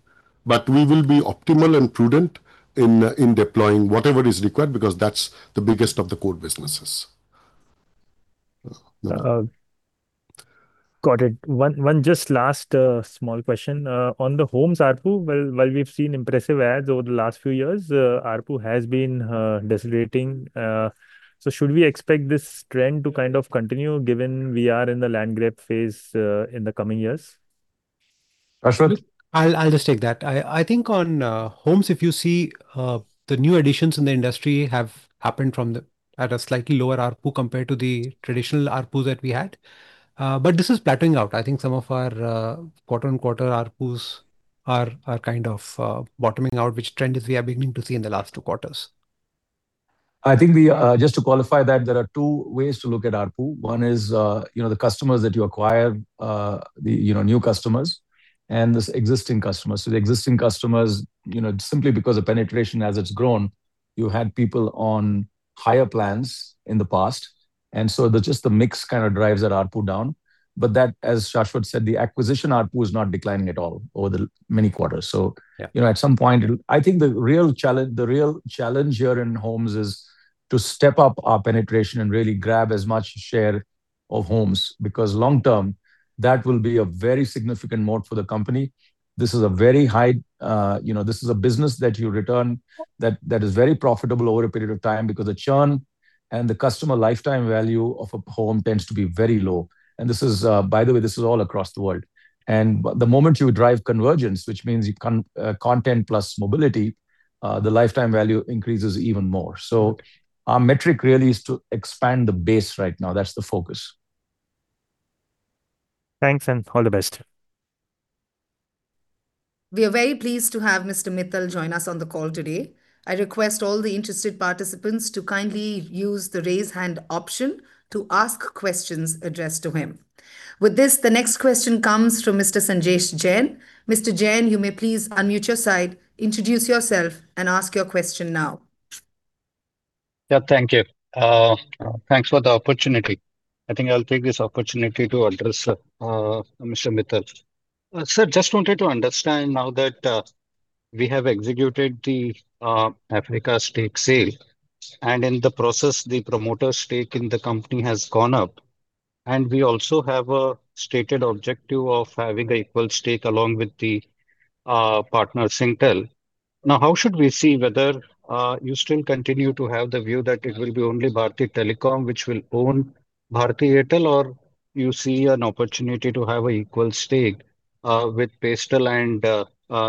but we will be optimal and prudent in deploying whatever is required because that's the biggest of the core businesses. Got it. One just last small question. On the homes ARPU, while we've seen impressive adds over the last few years, ARPU has been decelerating. Should we expect this trend to kind of continue given we are in the land grab phase in the coming years? Shashwat? I'll just take that. I think on homes if you see the new additions in the industry have happened from the, at a slightly lower ARPU compared to the traditional ARPUs that we had. This is plateauing out. I think some of our quarter-on-quarter ARPUs are kind of bottoming out, which trend is we are beginning to see in the last two quarters. I think we, just to qualify that, there are two ways to look at ARPU. One is, you know, the customers that you acquire, the, you know, new customers and there's existing customers. The existing customers, you know, simply because of penetration as it's grown, you had people on higher plans in the past and so the, just the mix kind of drives that ARPU down. But that, as Shashwat said, the acquisition ARPU is not declining at all over the many quarters. Yeah You know, at some point it'll I think the real challenge here in homes is to step up our penetration and really grab as much share of homes, because long term that will be a very significant mode for the company. This is a very high, you know, this is a business that you return that is very profitable over a period of time because the churn and the customer lifetime value of a home tends to be very low. And this is, by the way, this is all across the world. And the moment you drive convergence, which means you content plus mobility, the lifetime value increases even more. Our metric really is to expand the base right now. That's the focus. Thanks and all the best. We are very pleased to have Mr. Mittal join us on the call today. I request all the interested participants to kindly use the raise hand option to ask questions addressed to him. With this, the next question comes from Mr. Sanjesh Jain. Mr. Jain, you may please unmute your side, introduce yourself and ask your question now. Yeah, thank you. Thanks for the opportunity. I think I'll take this opportunity to address Mr. Mittal. Sir, just wanted to understand now that we have executed the Africa stake sale, in the process the promoter stake in the company has gone up. We also have a stated objective of having an equal stake along with the partner Singtel. How should we see whether you still continue to have the view that it will be only Bharti Telecom which will own Bharti Airtel, or you see an opportunity to have an equal stake with Singtel and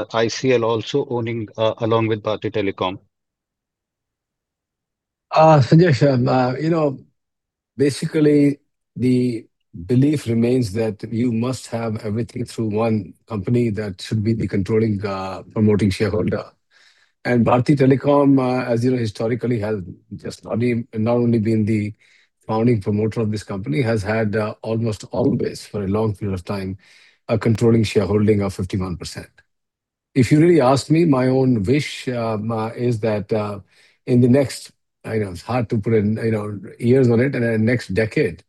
ICIL also owning along with Bharti Telecom? Sanjesh, you know, basically the belief remains that you must have everything through one company that should be the controlling promoting shareholder. Bharti Telecom, as you know historically has just not only been the founding promoter of this company, has had almost always for a long period of time a controlling shareholding of 51%. If you really ask me, my own wish is that in the next, I know it's hard to put in, you know, years on it, in the next decade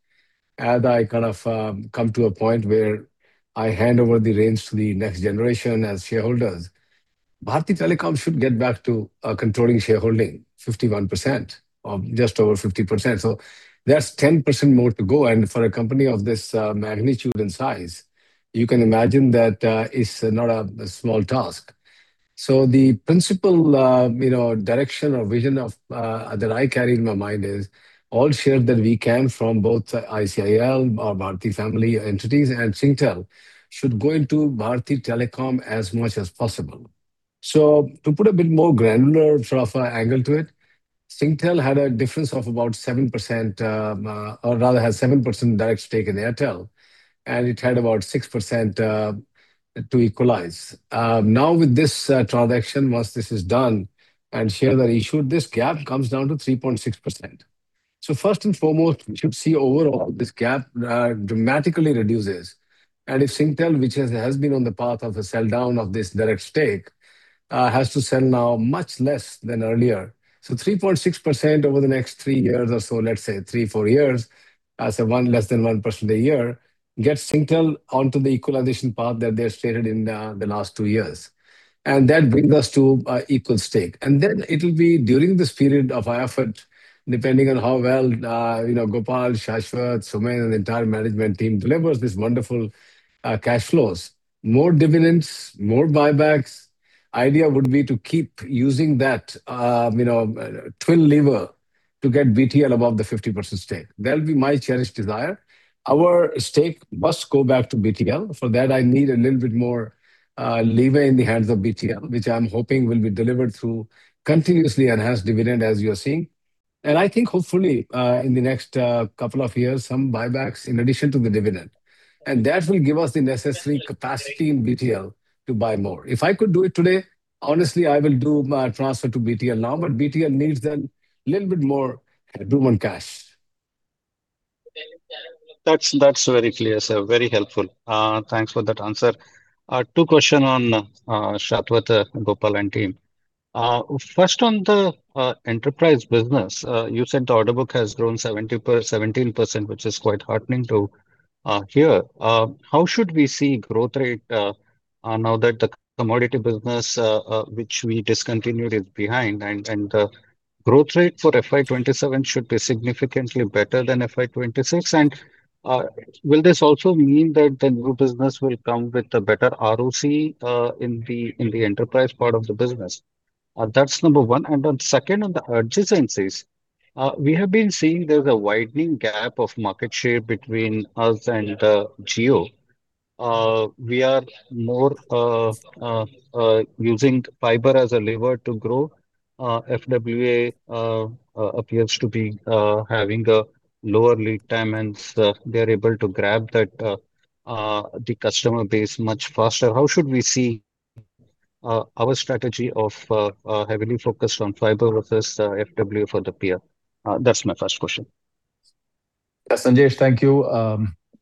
as I kind of come to a point where I hand over the reins to the next generation as shareholders, Bharti Telecom should get back to controlling shareholding 51% or just over 50%. There's 10% more to go, and for a company of this magnitude and size, you can imagine that it's not a small task. The principle, you know, direction or vision that I carry in my mind is all share that we can from both ICIL or Bharti family entities and Singtel should go into Bharti Telecom as much as possible. To put a bit more granular sort of angle to it, Singtel had a difference of about 7%, or rather had 7% direct stake in Airtel, and it had about 6% to equalize. Now with this transaction, once this is done and share the issue, this gap comes down to 3.6%. First and foremost, we should see overall this gap dramatically reduces. If Singtel, which has been on the path of a sell down of this direct stake, has to sell now much less than earlier. 3.6% over the next three years or so, let's say three, four years, as a one, less than 1% a year gets Singtel onto the equalization path that they stated in the last two years. That brings us to equal stake. Then it'll be during this period of effort, depending on how well, you know, Gopal, Shashwat, Sumedh, and the entire management team delivers these wonderful cash flows. More dividends, more buybacks. Idea would be to keep using that, you know, twin lever to get BTL above the 50% stake. That'll be my cherished desire. Our stake must go back to BTL. For that, I need a little bit more lever in the hands of BTL, which I'm hoping will be delivered through continuously enhanced dividend as you are seeing. I think hopefully, in the next couple of years some buybacks in addition to the dividend. That will give us the necessary capacity in BTL to buy more. If I could do it today, honestly, I will do my transfer to BTL now, but BTL needs a little bit more room on cash. That's very clear, sir. Very helpful. Thanks for that answer. Two question on Shashwat, Gopal, and team. First on the enterprise business. You said the order book has grown 17%, which is quite heartening to hear. How should we see growth rate now that the commodity business which we discontinued is behind and growth rate for FY 2027 should be significantly better than FY 2026 and will this also mean that the new business will come with a better ROC in the enterprise part of the business? That's number one. Then second, on the adjacencies, we have been seeing there's a widening gap of market share between us and Jio. We are more using fiber as a lever to grow. FWA appears to be having a lower lead time, and they're able to grab that the customer base much faster. How should we see our strategy of heavily focused on fiber versus FWA for the peer? That's my first question. Yes, Sanjesh, thank you.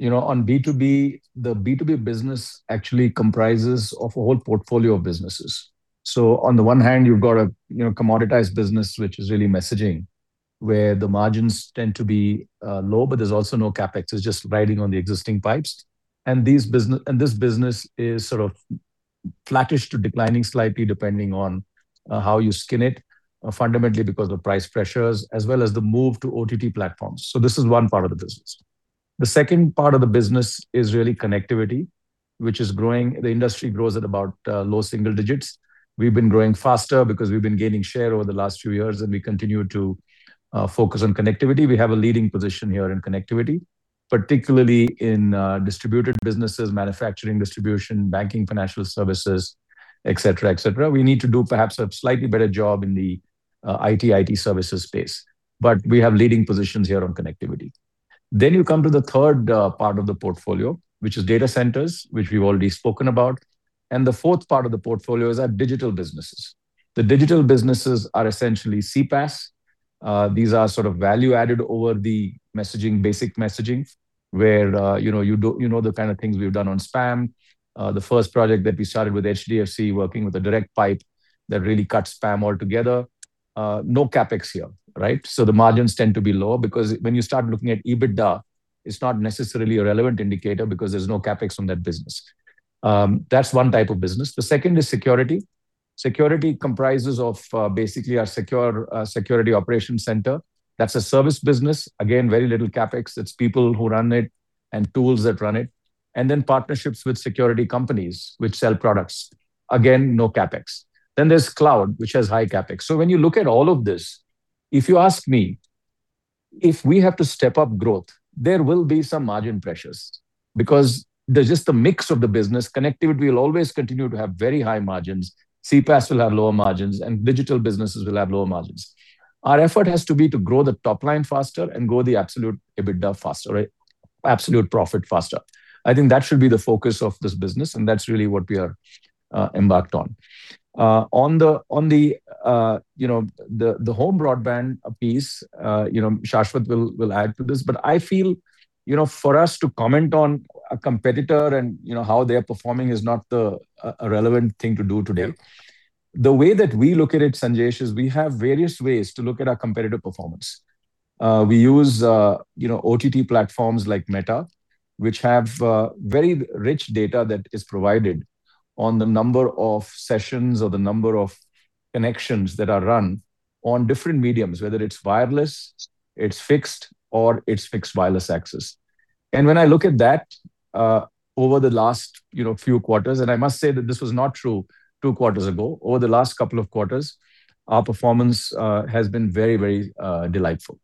You know, on B2B, the B2B business actually comprises of a whole portfolio of businesses. On the one hand, you've got a, you know, commoditized business which is really messaging, where the margins tend to be low, but there's also no CapEx. It's just riding on the existing pipes. This business is sort of flattish to declining slightly depending on how you skin it, fundamentally because the price pressures as well as the move to OTT platforms. This is one part of the business. The second part of the business is really connectivity, which is growing. The industry grows at about low single digits. We've been growing faster because we've been gaining share over the last few years, and we continue to focus on connectivity. We have a leading position here in connectivity, particularly in distributed businesses, manufacturing distribution, banking financial services, et cetera, et cetera. We need to do perhaps a slightly better job in the IT services space, but we have leading positions here on connectivity. You come to the third part of the portfolio, which is data centers, which we've already spoken about, and the fourth part of the portfolio is our digital businesses. The digital businesses are essentially CPaaS. These are sort of value added over the messaging, basic messaging where, you know the kind of things we've done on spam. The first project that we started with HDFC, working with a direct pipe that really cuts spam altogether. No CapEx here, right? The margins tend to be lower because when you start looking at EBITDA, it's not necessarily a relevant indicator because there's no CapEx on that business. That's one type of business. The second is security. Security comprises of, basically our secure, security operation center. That's a service business. Again, very little CapEx. It's people who run it and tools that run it. Partnerships with security companies which sell products. Again, no CapEx. There's cloud, which has high CapEx. When you look at all of this, if you ask me, if we have to step up growth, there will be some margin pressures because there's just a mix of the business. Connectivity will always continue to have very high margins, CPaaS will have lower margins, and digital businesses will have lower margins. Our effort has to be to grow the top line faster and grow the absolute EBITDA faster, right? Absolute profit faster. I think that should be the focus of this business, and that's really what we are embarked on. On the, you know, the home broadband piece, you know, Shashwat will add to this. I feel, you know, for us to comment on a competitor and, you know, how they're performing is not the relevant thing to do today. The way that we look at it, Sanjesh, is we have various ways to look at our competitive performance. We use, you know, OTT platforms like Meta, which have very rich data that is provided on the number of sessions or the number of connections that are run on different mediums, whether it's wireless, it's fixed, or it's fixed wireless access. When I look at that, over the last, you know, few quarters, and I must say that this was not true 2 quarters ago. Over the last couple of quarters, our performance has been very, very delightful.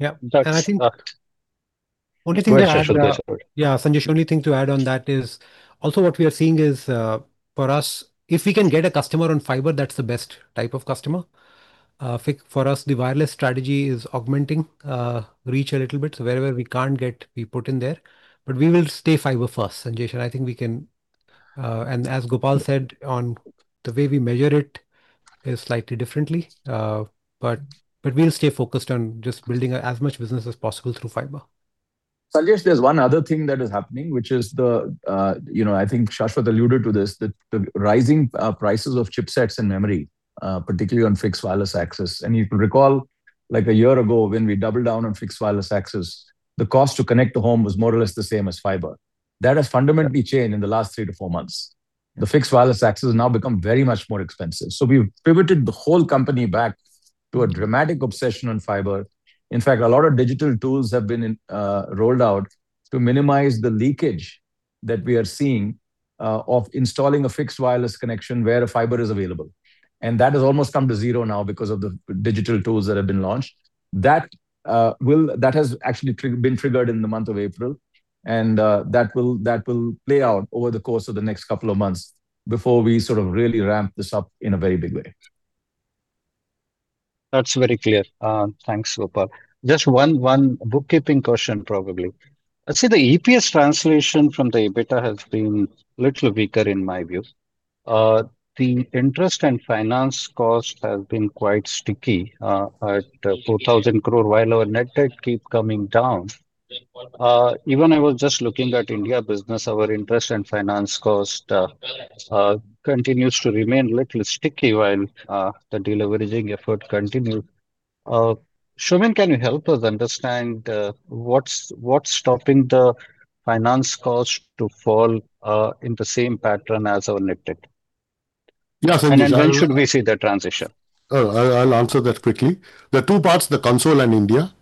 Yeah. That's Yeah, Sanjesh, only thing to add on that is also what we are seeing is, for us, if we can get a customer on fiber, that's the best type of customer. For us, the wireless strategy is augmenting reach a little bit. Wherever we can't get, we put in there. We will stay fiber first, Sanjesh, and I think we can, and as Gopal said on the way we measure it is slightly differently. We'll stay focused on just building as much business as possible through fiber. Sanjesh, there's one other thing that is happening, which is, you know, I think Shashwat alluded to this, the rising prices of chipsets and memory, particularly on fixed wireless access. You recall like one year ago when we doubled down on fixed wireless access, the cost to connect the home was more or less the same as fiber. That has fundamentally changed in the last three to four months. The fixed wireless access has now become very much more expensive, we've pivoted the whole company back to a dramatic obsession on fiber. In fact, a lot of digital tools have been rolled out to minimize the leakage that we are seeing of installing a fixed wireless connection where a fiber is available. That has almost come to zero now because of the digital tools that have been launched. That has actually been triggered in the month of April. That will play out over the course of the next couple of months before we sort of really ramp this up in a very big way. That's very clear. Thanks, Gopal. Just one bookkeeping question, probably. I'd say the EPS translation from the EBITDA has been a little weaker in my view. The interest and finance cost have been quite sticky at 4,000 crore, while our net debt keep coming down. Even I was just looking at India business, our interest and finance cost continues to remain a little sticky while the deleveraging effort continue. Soumen Ray, can you help us understand what's stopping the finance cost to fall in the same pattern as our net debt? Yeah. Sanjesh, When should we see the transition? Oh, I'll answer that quickly. There are two parts, the Console and India.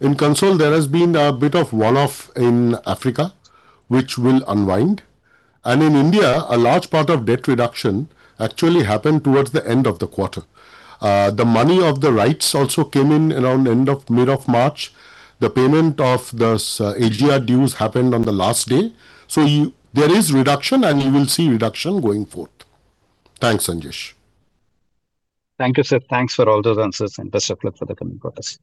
In Console, there has been a bit of one-off in Africa which will unwind. In India, a large part of debt reduction actually happened towards the end of the quarter. The money of the rights also came in around mid of March. The payment of the AGR dues happened on the last day. You, there is reduction, and you will see reduction going forth. Thanks, Sanjesh. Thank you, sir. Thanks for all those answers and best of luck for the coming quarters.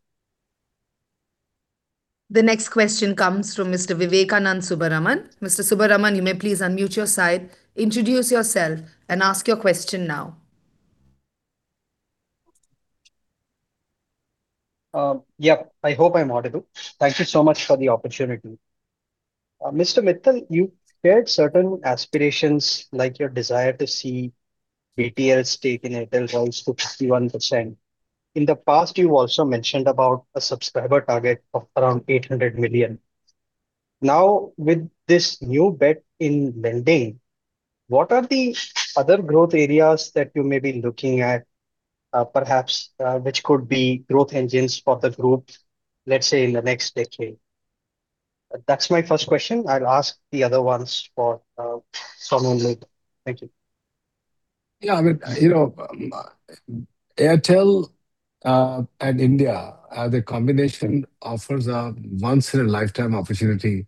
The next question comes from Mr. Vivekananda Subramaniam. Mr. Subramaniam, you may please unmute your side, introduce yourself, and ask your question now. Yeah. I hope I'm audible. Thank you so much for the opportunity. Mr. Mittal, you shared certain aspirations like your desire to see BTL stake in Airtel rise to 51%. In the past, you also mentioned about a subscriber target of around 800 million. Now, with this new bet in lending, what are the other growth areas that you may be looking at, perhaps, which could be growth engines for the group, let's say in the next decade? That's my first question. I'll ask the other ones for someone later. Thank you. I mean, you know, Airtel and India, the combination offers a once in a lifetime opportunity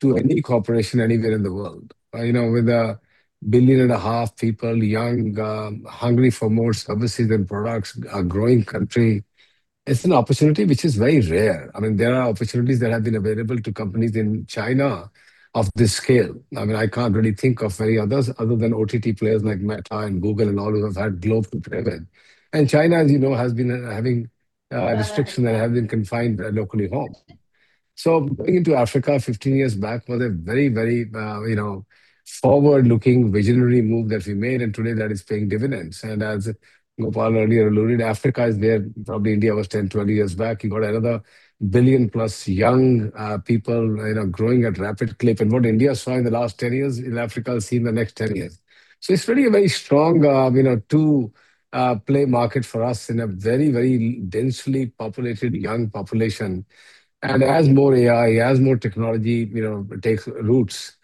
to any corporation anywhere in the world. You know, with a billion and a half people, young, hungry for more services and products, a growing country, it's an opportunity which is very rare. I mean, there are opportunities that have been available to companies in China of this scale. I mean, I can't really think of any others, other than OTT players like Meta and Google and all who have had global presence. China, as you know, has been having restrictions that have been confined locally home. Going into Africa 15 years back was a very, you know, forward-looking visionary move that we made, and today that is paying dividends. As Gopal earlier alluded, Africa is where probably India was 10, 20 years back. You've got another billion plus young people, you know, growing at rapid clip. What India saw in the last 10 years in Africa will see in the next 10 years. It's really a very strong, you know, two play market for us in a very, very densely populated young population. As more AI, as more technology, you know, takes roots,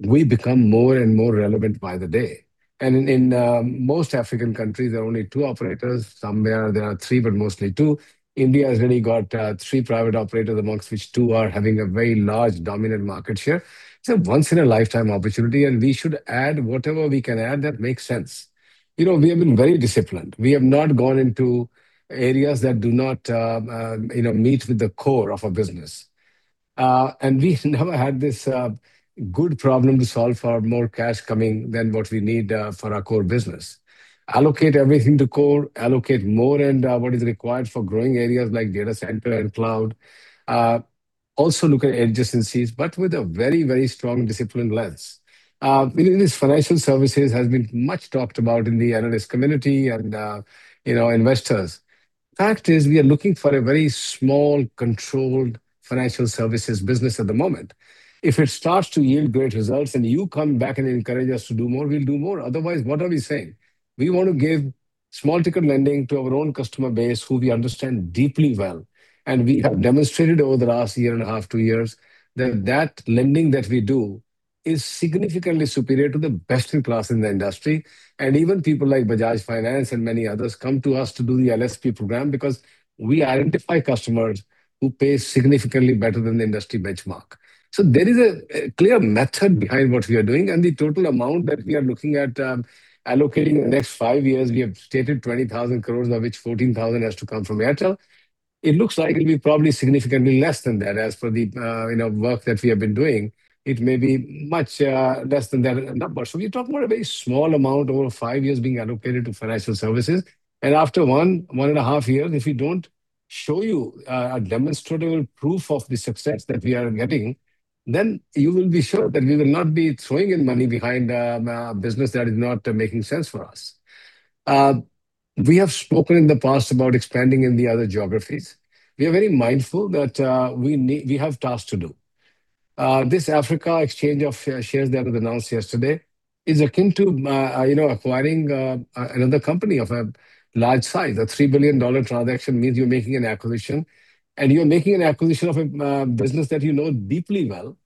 we become more and more relevant by the day. In most African countries there are only two operators. Somewhere there are three, but mostly two. India has really got three private operators, amongst which two are having a very large dominant market share. It's a once in a lifetime opportunity. We should add whatever we can add that makes sense. You know, we have been very disciplined. We have not gone into areas that do not, you know, meet with the core of our business. We never had this good problem to solve for more cash coming than what we need for our core business. Allocate everything to core, allocate more and what is required for growing areas like data center and cloud. Also look at adjacencies with a very strong disciplined lens. In, in these financial services has been much talked about in the analyst community and, you know, investors. Fact is, we are looking for a very small, controlled financial services business at the moment. If it starts to yield great results and you come back and encourage us to do more, we will do more. Otherwise, what are we saying? We want to give small ticket lending to our own customer base who we understand deeply well, and we have demonstrated over the last one and a half, two years that that lending that we do is significantly superior to the best in class in the industry. Even people like Bajaj Finance and many others come to us to do the LSP program because we identify customers who pay significantly better than the industry benchmark. There is a clear method behind what we are doing, and the total amount that we are looking at, allocating the next five years, we have stated 20,000 crores, of which 14,000 has to come from Airtel. It looks like it'll be probably significantly less than that. As for the, you know, work that we have been doing, it may be much less than that number. We're talking about a very small amount over five years being allocated to financial services. After one and half years, if we don't show you a demonstrable proof of the success that we are getting, then you will be sure that we will not be throwing in money behind a business that is not making sense for us. We have spoken in the past about expanding in the other geographies. We are very mindful that we have tasks to do. This Airtel Africa exchange of shares that was announced yesterday is akin to, you know, acquiring another company of a large size. A $3 billion transaction means you're making an acquisition, and you're making an acquisition of a business that you know deeply well,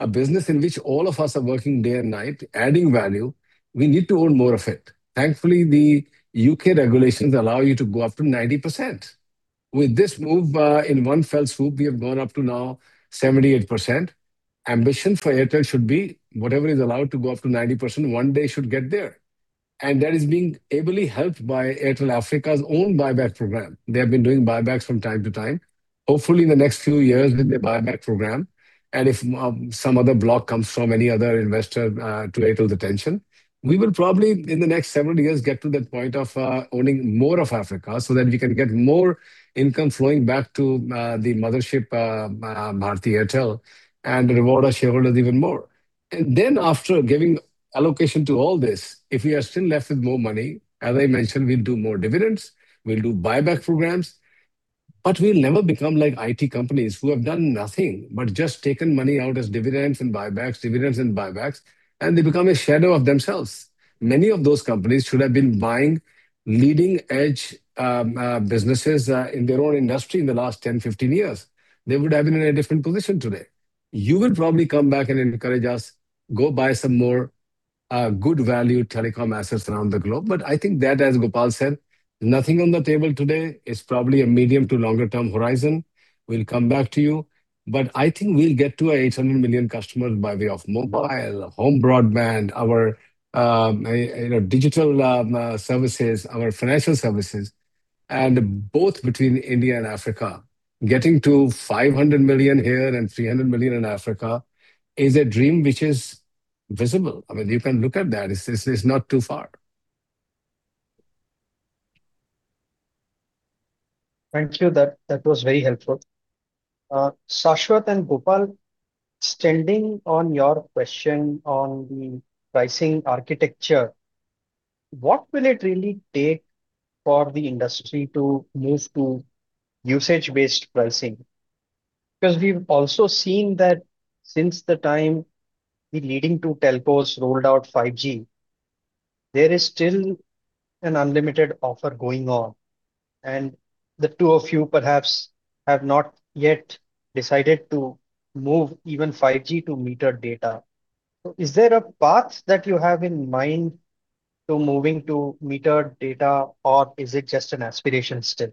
a business in which all of us are working day and night adding value. We need to own more of it. Thankfully, the U.K. regulations allow you to go up to 90%. With this move, in one fell swoop, we have gone up to now 78%. Ambition for Airtel should be whatever is allowed to go up to 90%, one day should get there. That is being ably helped by Airtel Africa's own buyback program. They have been doing buybacks from time to time. Hopefully, in the next few years with the buyback program and if some other block comes from any other investor to Airtel's attention, we will probably, in the next several years, get to that point of owning more of Africa so that we can get more income flowing back to the mothership, Bharti Airtel and reward our shareholders even more. After giving allocation to all this, if we are still left with more money, as I mentioned, we'll do more dividends, we'll do buyback programs. We'll never become like IT companies who have done nothing but just taken money out as dividends and buybacks, dividends and buybacks, and they become a shadow of themselves. Many of those companies should have been buying leading-edge businesses in their own industry in the last 10, 15 years. They would have been in a different position today. You will probably come back and encourage us, "Go buy some more good value telecom assets around the globe." I think that, as Gopal said, nothing on the table today. It's probably a medium to longer term horizon. We'll come back to you. I think we'll get to 800 million customers by way of mobile, home broadband, our, you know, digital services, our financial services. Both between India and Africa, getting to 500 million here and 300 million in Africa is a dream which is visible. I mean, you can look at that. It's not too far. Thank you. That was very helpful. Shashwat and Gopal, extending on your question on the pricing architecture, what will it really take for the industry to move to usage-based pricing? We've also seen that since the time the leading two telcos rolled out 5G, there is still an unlimited offer going on, and the two of you perhaps have not yet decided to move even 5G to metered data. Is there a path that you have in mind to moving to metered data, or is it just an aspiration still?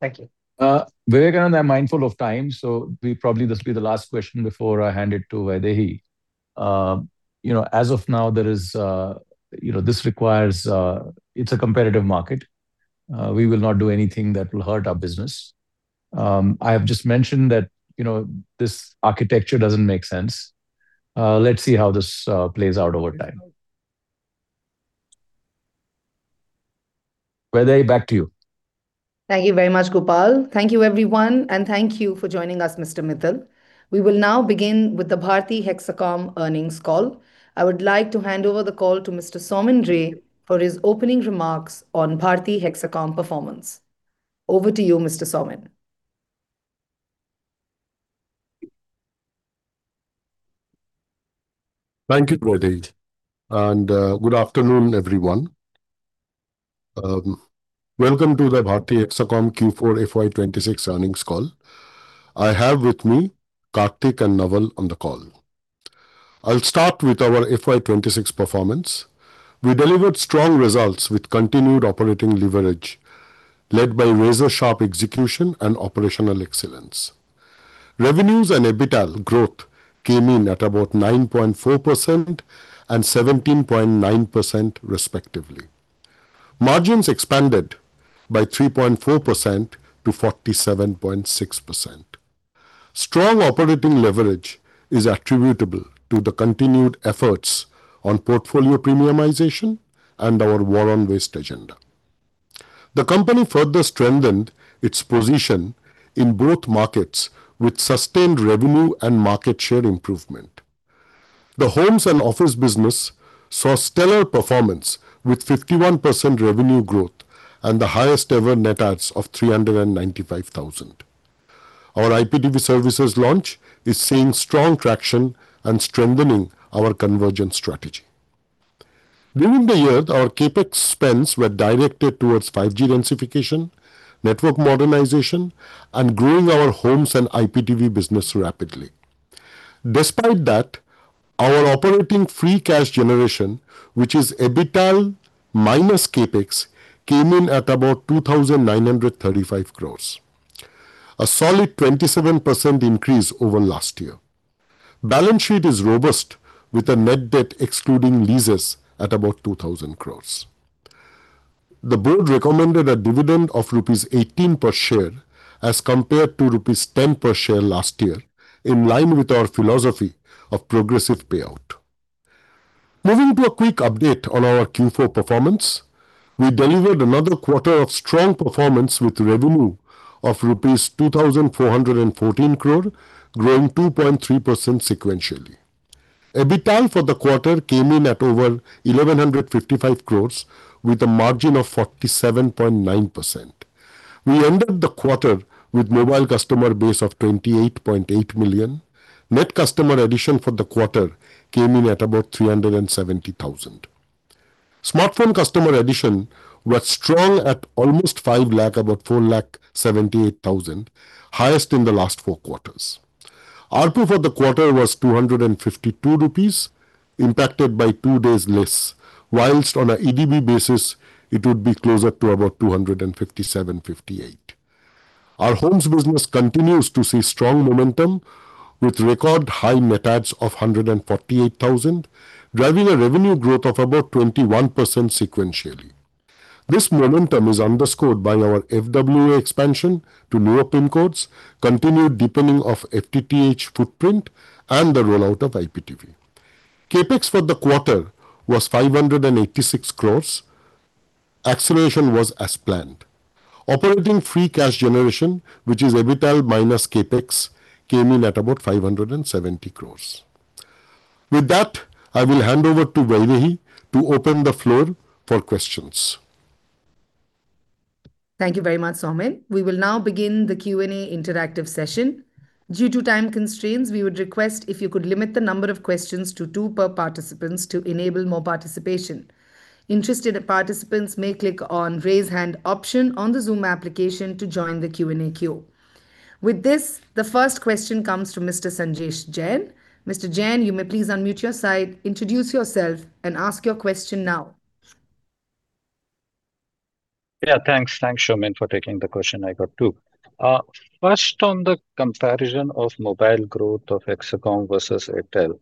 Thank you. [Vekana], I'm mindful of time, so we probably this will be the last question before I hand it to Vaidehi. You know, as of now, there is, you know, this requires, it's a competitive market. We will not do anything that will hurt our business. I have just mentioned that, you know, this architecture doesn't make sense. Let's see how this plays out over time. Vaidehi, back to you. Thank you very much, Gopal. Thank you, everyone, and thank you for joining us, Mr. Mittal. We will now begin with the Bharti Hexacom earnings call. I would like to hand over the call to Mr. Soumen Ray for his opening remarks on Bharti Hexacom performance. Over to you, Mr. Soumen Ray. Thank you, Vaidehi, and good afternoon, everyone. Welcome to the Bharti Hexacom Q4 FY 2026 earnings call. I have with me Kartik and Naval on the call. I'll start with our FY 2026 performance. We delivered strong results with continued operating leverage, led by razor-sharp execution and operational excellence. Revenues and EBITDA growth came in at about 9.4% and 17.9% respectively. Margins expanded by 3.4% to 47.6%. Strong operating leverage is attributable to the continued efforts on portfolio premiumization and our war on waste agenda. The company further strengthened its position in both markets with sustained revenue and market share improvement. The homes and office business saw stellar performance with 51% revenue growth and the highest ever net adds of 395,000. Our IPTV services launch is seeing strong traction and strengthening our convergence strategy. During the year, our CapEx spends were directed towards 5G densification, network modernization, and growing our homes and IPTV business rapidly. Despite that, our operating free cash generation, which is EBITDA minus CapEx, came in at about 2,935 crore. A solid 27% increase over last year. Balance sheet is robust, with a net debt excluding leases at about 2,000 crore. The board recommended a dividend of rupees 18 per share as compared to rupees 10 per share last year, in line with our philosophy of progressive payout. Moving to a quick update on our Q4 performance. We delivered another quarter of strong performance with revenue of INR 2,414 crore, growing 2.3% sequentially. EBITDA for the quarter came in at over 1,155 crore with a margin of 47.9%. We ended the quarter with mobile customer base of 28.8 million. Net customer addition for the quarter came in at about 370,000. Smartphone customer addition was strong at almost 5 lakh, about 478,000, highest in the last four quarters. ARPU for the quarter was 252 rupees impacted by two days less, whilst on an EBITDA basis it would be closer to about 257-258. Our homes business continues to see strong momentum with record high net adds of 148,000, driving a revenue growth of about 21% sequentially. This momentum is underscored by our FWA expansion to lower PIN codes, continued deepening of FTTH footprint, and the rollout of IPTV. CapEx for the quarter was 586 crores. Acceleration was as planned. Operating free cash generation, which is EBITDA minus CapEx, came in at about 570 crore. I will hand over to Vaidehi to open the floor for questions. Thank you very much, Soumen. We will now begin the Q&A interactive session. Due to time constraints, we would request if you could limit the number of questions to two per participants to enable more participation. Interested participants may click on Raise Hand option on the Zoom application to join the Q&A queue. With this, the first question comes from Mr. Sanjesh Jain. Mr. Jain, you may please unmute your side, introduce yourself and ask your question now. Yeah, thanks. Thanks, Soumen Ray, for taking the question I got too. First, on the comparison of mobile growth of Hexacom versus Airtel.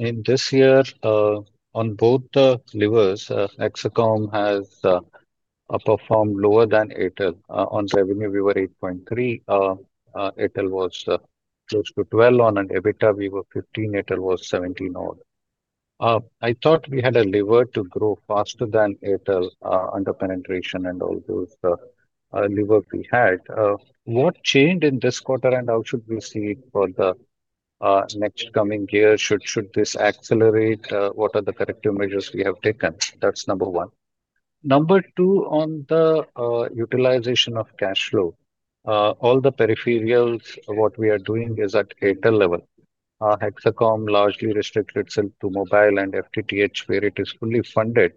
In this year, on both the levers, Hexacom has performed lower than Airtel. On revenue we were 8.3%, Airtel was close to 12% on an EBITDA. We were 15%, Airtel was 17%. I thought we had a lever to grow faster than Airtel, under penetration and all those lever we had. What changed in this quarter and how should we see it for the next coming year? Should this accelerate? What are the corrective measures we have taken? That's number one. Number two, on the utilization of cash flow. All the peripherals, what we are doing is at Airtel level. Hexacom largely restrict itself to mobile and FTTH, where it is fully funded.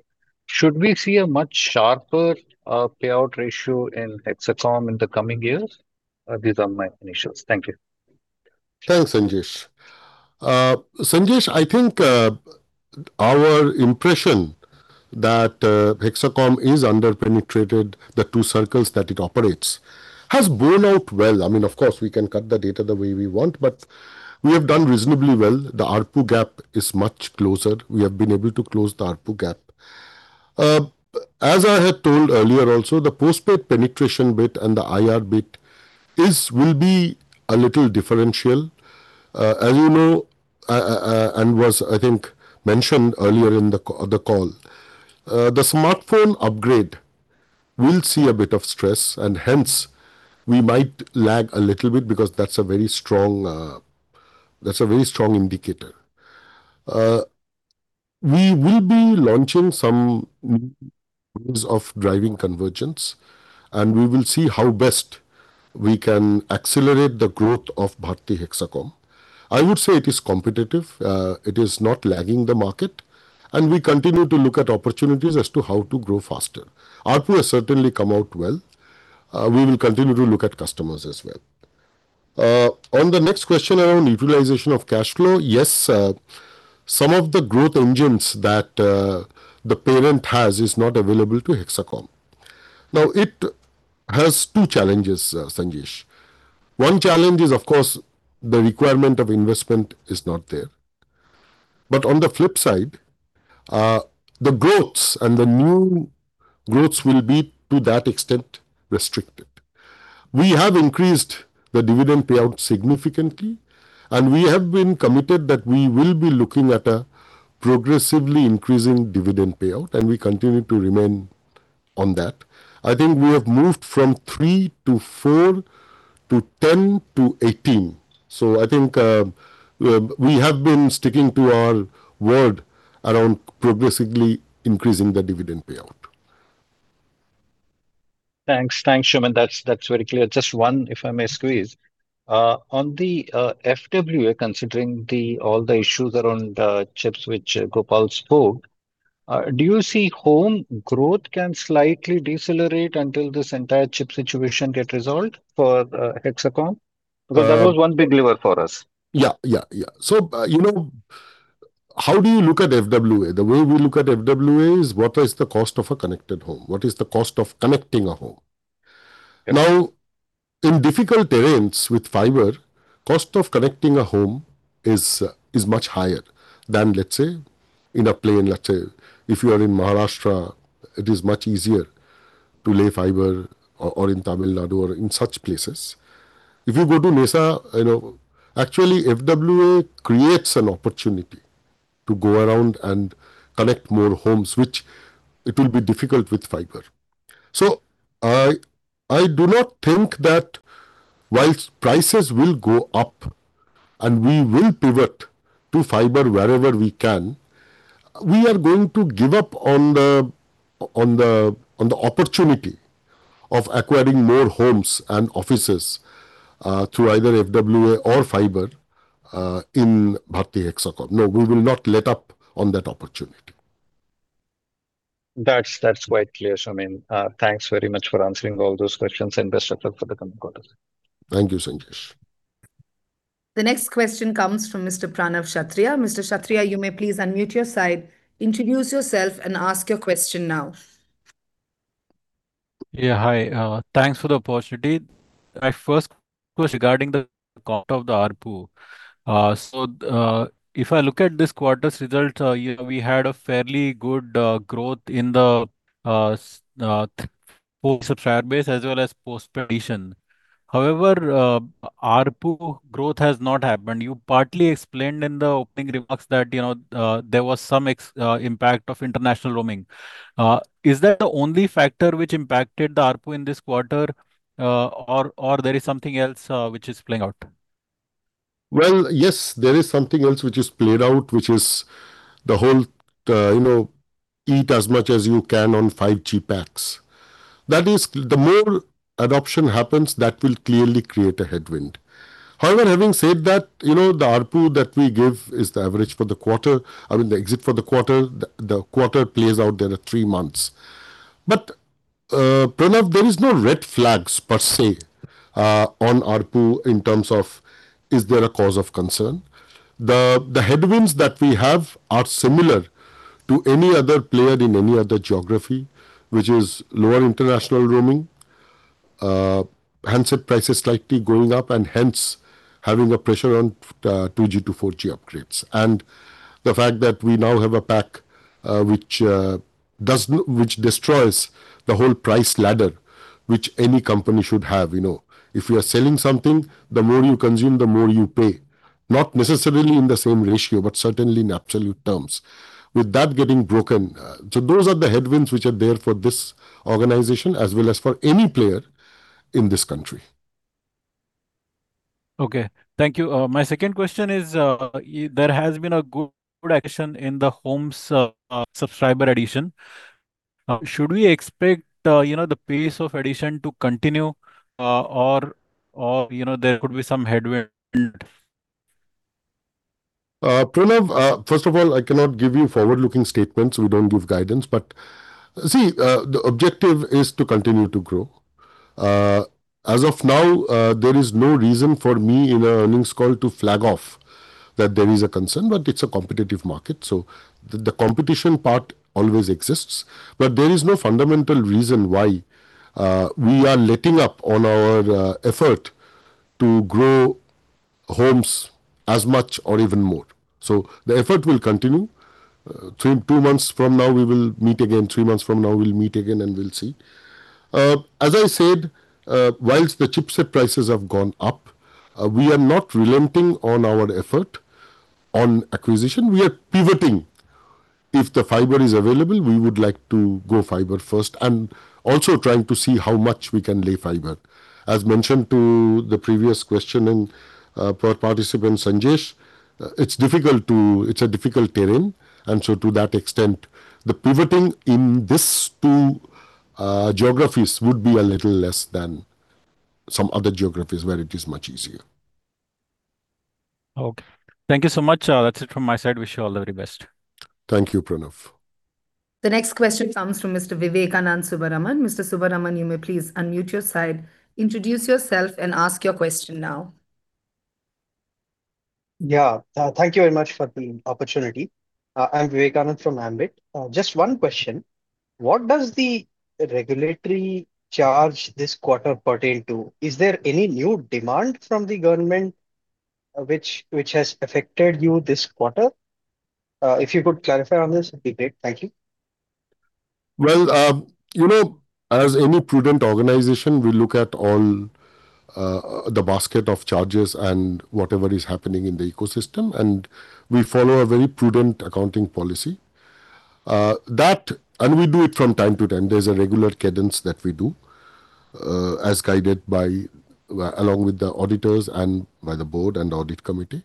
Should we see a much sharper payout ratio in Hexacom in the coming years? These are my initials. Thank you. Thanks, Sanjesh. Sanjesh, I think our impression that Hexacom is under-penetrated, the two circles that it operates, has borne out well. I mean, of course, we can cut the data the way we want, but we have done reasonably well. The ARPU gap is much closer. We have been able to close the ARPU gap. As I had told earlier also, the postpaid penetration bit and the IR bit is, will be a little differential. As you know, and was, I think, mentioned earlier in the call, the smartphone upgrade will see a bit of stress, and hence we might lag a little bit because that's a very strong, that's a very strong indicator. We will be launching some means of driving convergence, and we will see how best we can accelerate the growth of Bharti Hexacom. I would say it is competitive, it is not lagging the market, and we continue to look at opportunities as to how to grow faster. ARPU has certainly come out well. We will continue to look at customers as well. On the next question around utilization of cash flow, yes, some of the growth engines that the parent has is not available to Hexacom. Now, it has two challenges, Sanjesh. One challenge is, of course, the requirement of investment is not there. On the flip side, the growths and the new growths will be to that extent restricted. We have increased the dividend payout significantly, and we have been committed that we will be looking at a progressively increasing dividend payout, and we continue to remain on that. I think we have moved from three to four to 10 to 18. I think we have been sticking to our word around progressively increasing the dividend payout. Thanks, Soumen Ray. That's very clear. Just one, if I may squeeze. on the FWA considering all the issues around chips, which Gopal Vittal spoke, do you see home growth can slightly decelerate until this entire chip situation get resolved for Bharti Hexacom? That was one big lever for us. Yeah, yeah. You know, how do you look at FWA? The way we look at FWA is what is the cost of a connected home. What is the cost of connecting a home? Now, in difficult terrains with fiber, cost of connecting a home is much higher than, let's say, in a plain, if you are in Maharashtra, it is much easier to lay fiber, or in Tamil Nadu or in such places. If you go to [Mesa], you know, actually FWA creates an opportunity to go around and connect more homes, which it will be difficult with fiber. I do not think that whilst prices will go up and we will pivot to fiber wherever we can, we are going to give up on the opportunity of acquiring more homes and offices through either FWA or fiber in Bharti Hexacom. No, we will not let up on that opportunity. That's quite clear, Soumen Ray. Thanks very much for answering all those questions, and best of luck for the coming quarters. Thank you, Sanjesh. The next question comes from Mr. Pranav Kshatriya. Mr. Kshatriya, you may please unmute your side, introduce yourself, and ask your question now. Yeah, hi. Thanks for the opportunity. My first question regarding the comp of the ARPU. If I look at this quarter's results, we had a fairly good growth in the post subscriber base as well as post-payment. However, ARPU growth has not happened. You partly explained in the opening remarks that, you know, there was some impact of international roaming. Is that the only factor which impacted the ARPU in this quarter, or there is something else which is playing out? Well, yes, there is something else which is played out, which is the whole, you know, eat as much as you can on 5G packs. That is, the more adoption happens, that will clearly create a headwind. Having said that, you know, the ARPU that we give is the average for the quarter. I mean, the exit for the quarter, the quarter plays out there are three months. Pranav, there is no red flags per se on ARPU in terms of is there a cause of concern. The headwinds that we have are similar to any other player in any other geography, which is lower international roaming, handset prices slightly going up and hence having a pressure on 2G to 4G upgrades. The fact that we now have a pack which destroys the whole price ladder which any company should have, you know. If you are selling something, the more you consume, the more you pay. Not necessarily in the same ratio, but certainly in absolute terms. With that getting broken, those are the headwinds which are there for this organization as well as for any player in this country. Okay. Thank you. My second question is, there has been a good action in the homes, subscriber addition. Should we expect, you know, the pace of addition to continue, or, you know, there could be some headwind? Pranav, first of all, I cannot give you forward-looking statements. We don't give guidance. See, the objective is to continue to grow. As of now, there is no reason for me in an earnings call to flag off that there is a concern, but it's a competitive market, so the competition part always exists. There is no fundamental reason why we are letting up on our effort to grow homes as much or even more. The effort will continue. three, two months from now we will meet again, three months from now we'll meet again and we'll see. As I said, whilst the chipset prices have gone up, we are not relenting on our effort on acquisition. We are pivoting. If the fiber is available, we would like to go fiber first and also trying to see how much we can lay fiber. As mentioned to the previous question and for participant Sanjesh, it's a difficult terrain. To that extent, the pivoting in these two geographies would be a little less than some other geographies where it is much easier. Okay. Thank you so much. That's it from my side. Wish you all the very best. Thank you, Pranav. The next question comes from Mr. Vivekananda Subramaniam. Mr. Subramaniam, you may please unmute your side, introduce yourself, and ask your question now. Yeah. Thank you very much for the opportunity. I'm Vivekananda Subramaniam from Ambit Capital. Just one question. What does the regulatory charge this quarter pertain to? Is there any new demand from the government which has affected you this quarter? If you could clarify on this, it'd be great. Thank you. You know, as any prudent organization, we look at all the basket of charges and whatever is happening in the ecosystem, we follow a very prudent accounting policy. We do it from time to time. There's a regular cadence that we do as guided by along with the auditors and by the board and audit committee.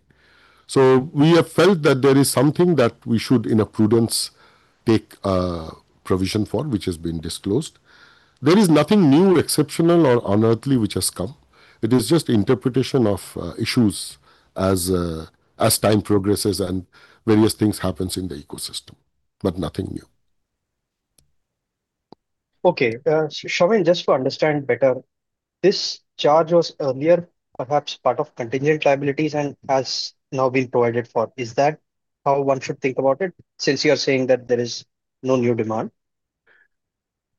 We have felt that there is something that we should, in a prudence, take a provision for, which has been disclosed. There is nothing new, exceptional, or unearthly which has come. It is just interpretation of issues as time progresses and various things happens in the ecosystem, but nothing new. Okay. Soumen Ray, just to understand better, this charge was earlier perhaps part of contingent liabilities and has now been provided for. Is that how one should think about it, since you are saying that there is no new demand?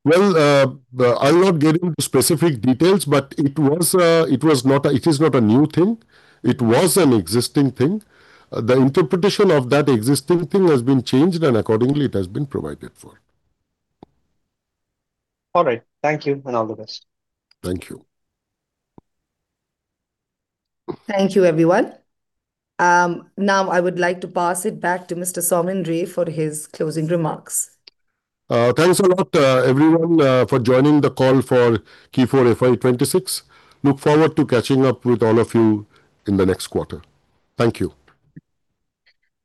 Well, I'll not get into specific details. It is not a new thing. It was an existing thing. The interpretation of that existing thing has been changed, and accordingly it has been provided for. All right. Thank you, and all the best. Thank you. Thank you, everyone. Now I would like to pass it back to Mr. Soumen Ray for his closing remarks. Thanks a lot, everyone, for joining the call for Q4 FY 2026. Look forward to catching up with all of you in the next quarter. Thank you.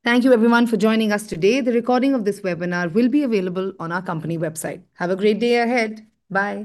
Thank you everyone for joining us today. The recording of this webinar will be available on our company website. Have a great day ahead. Bye.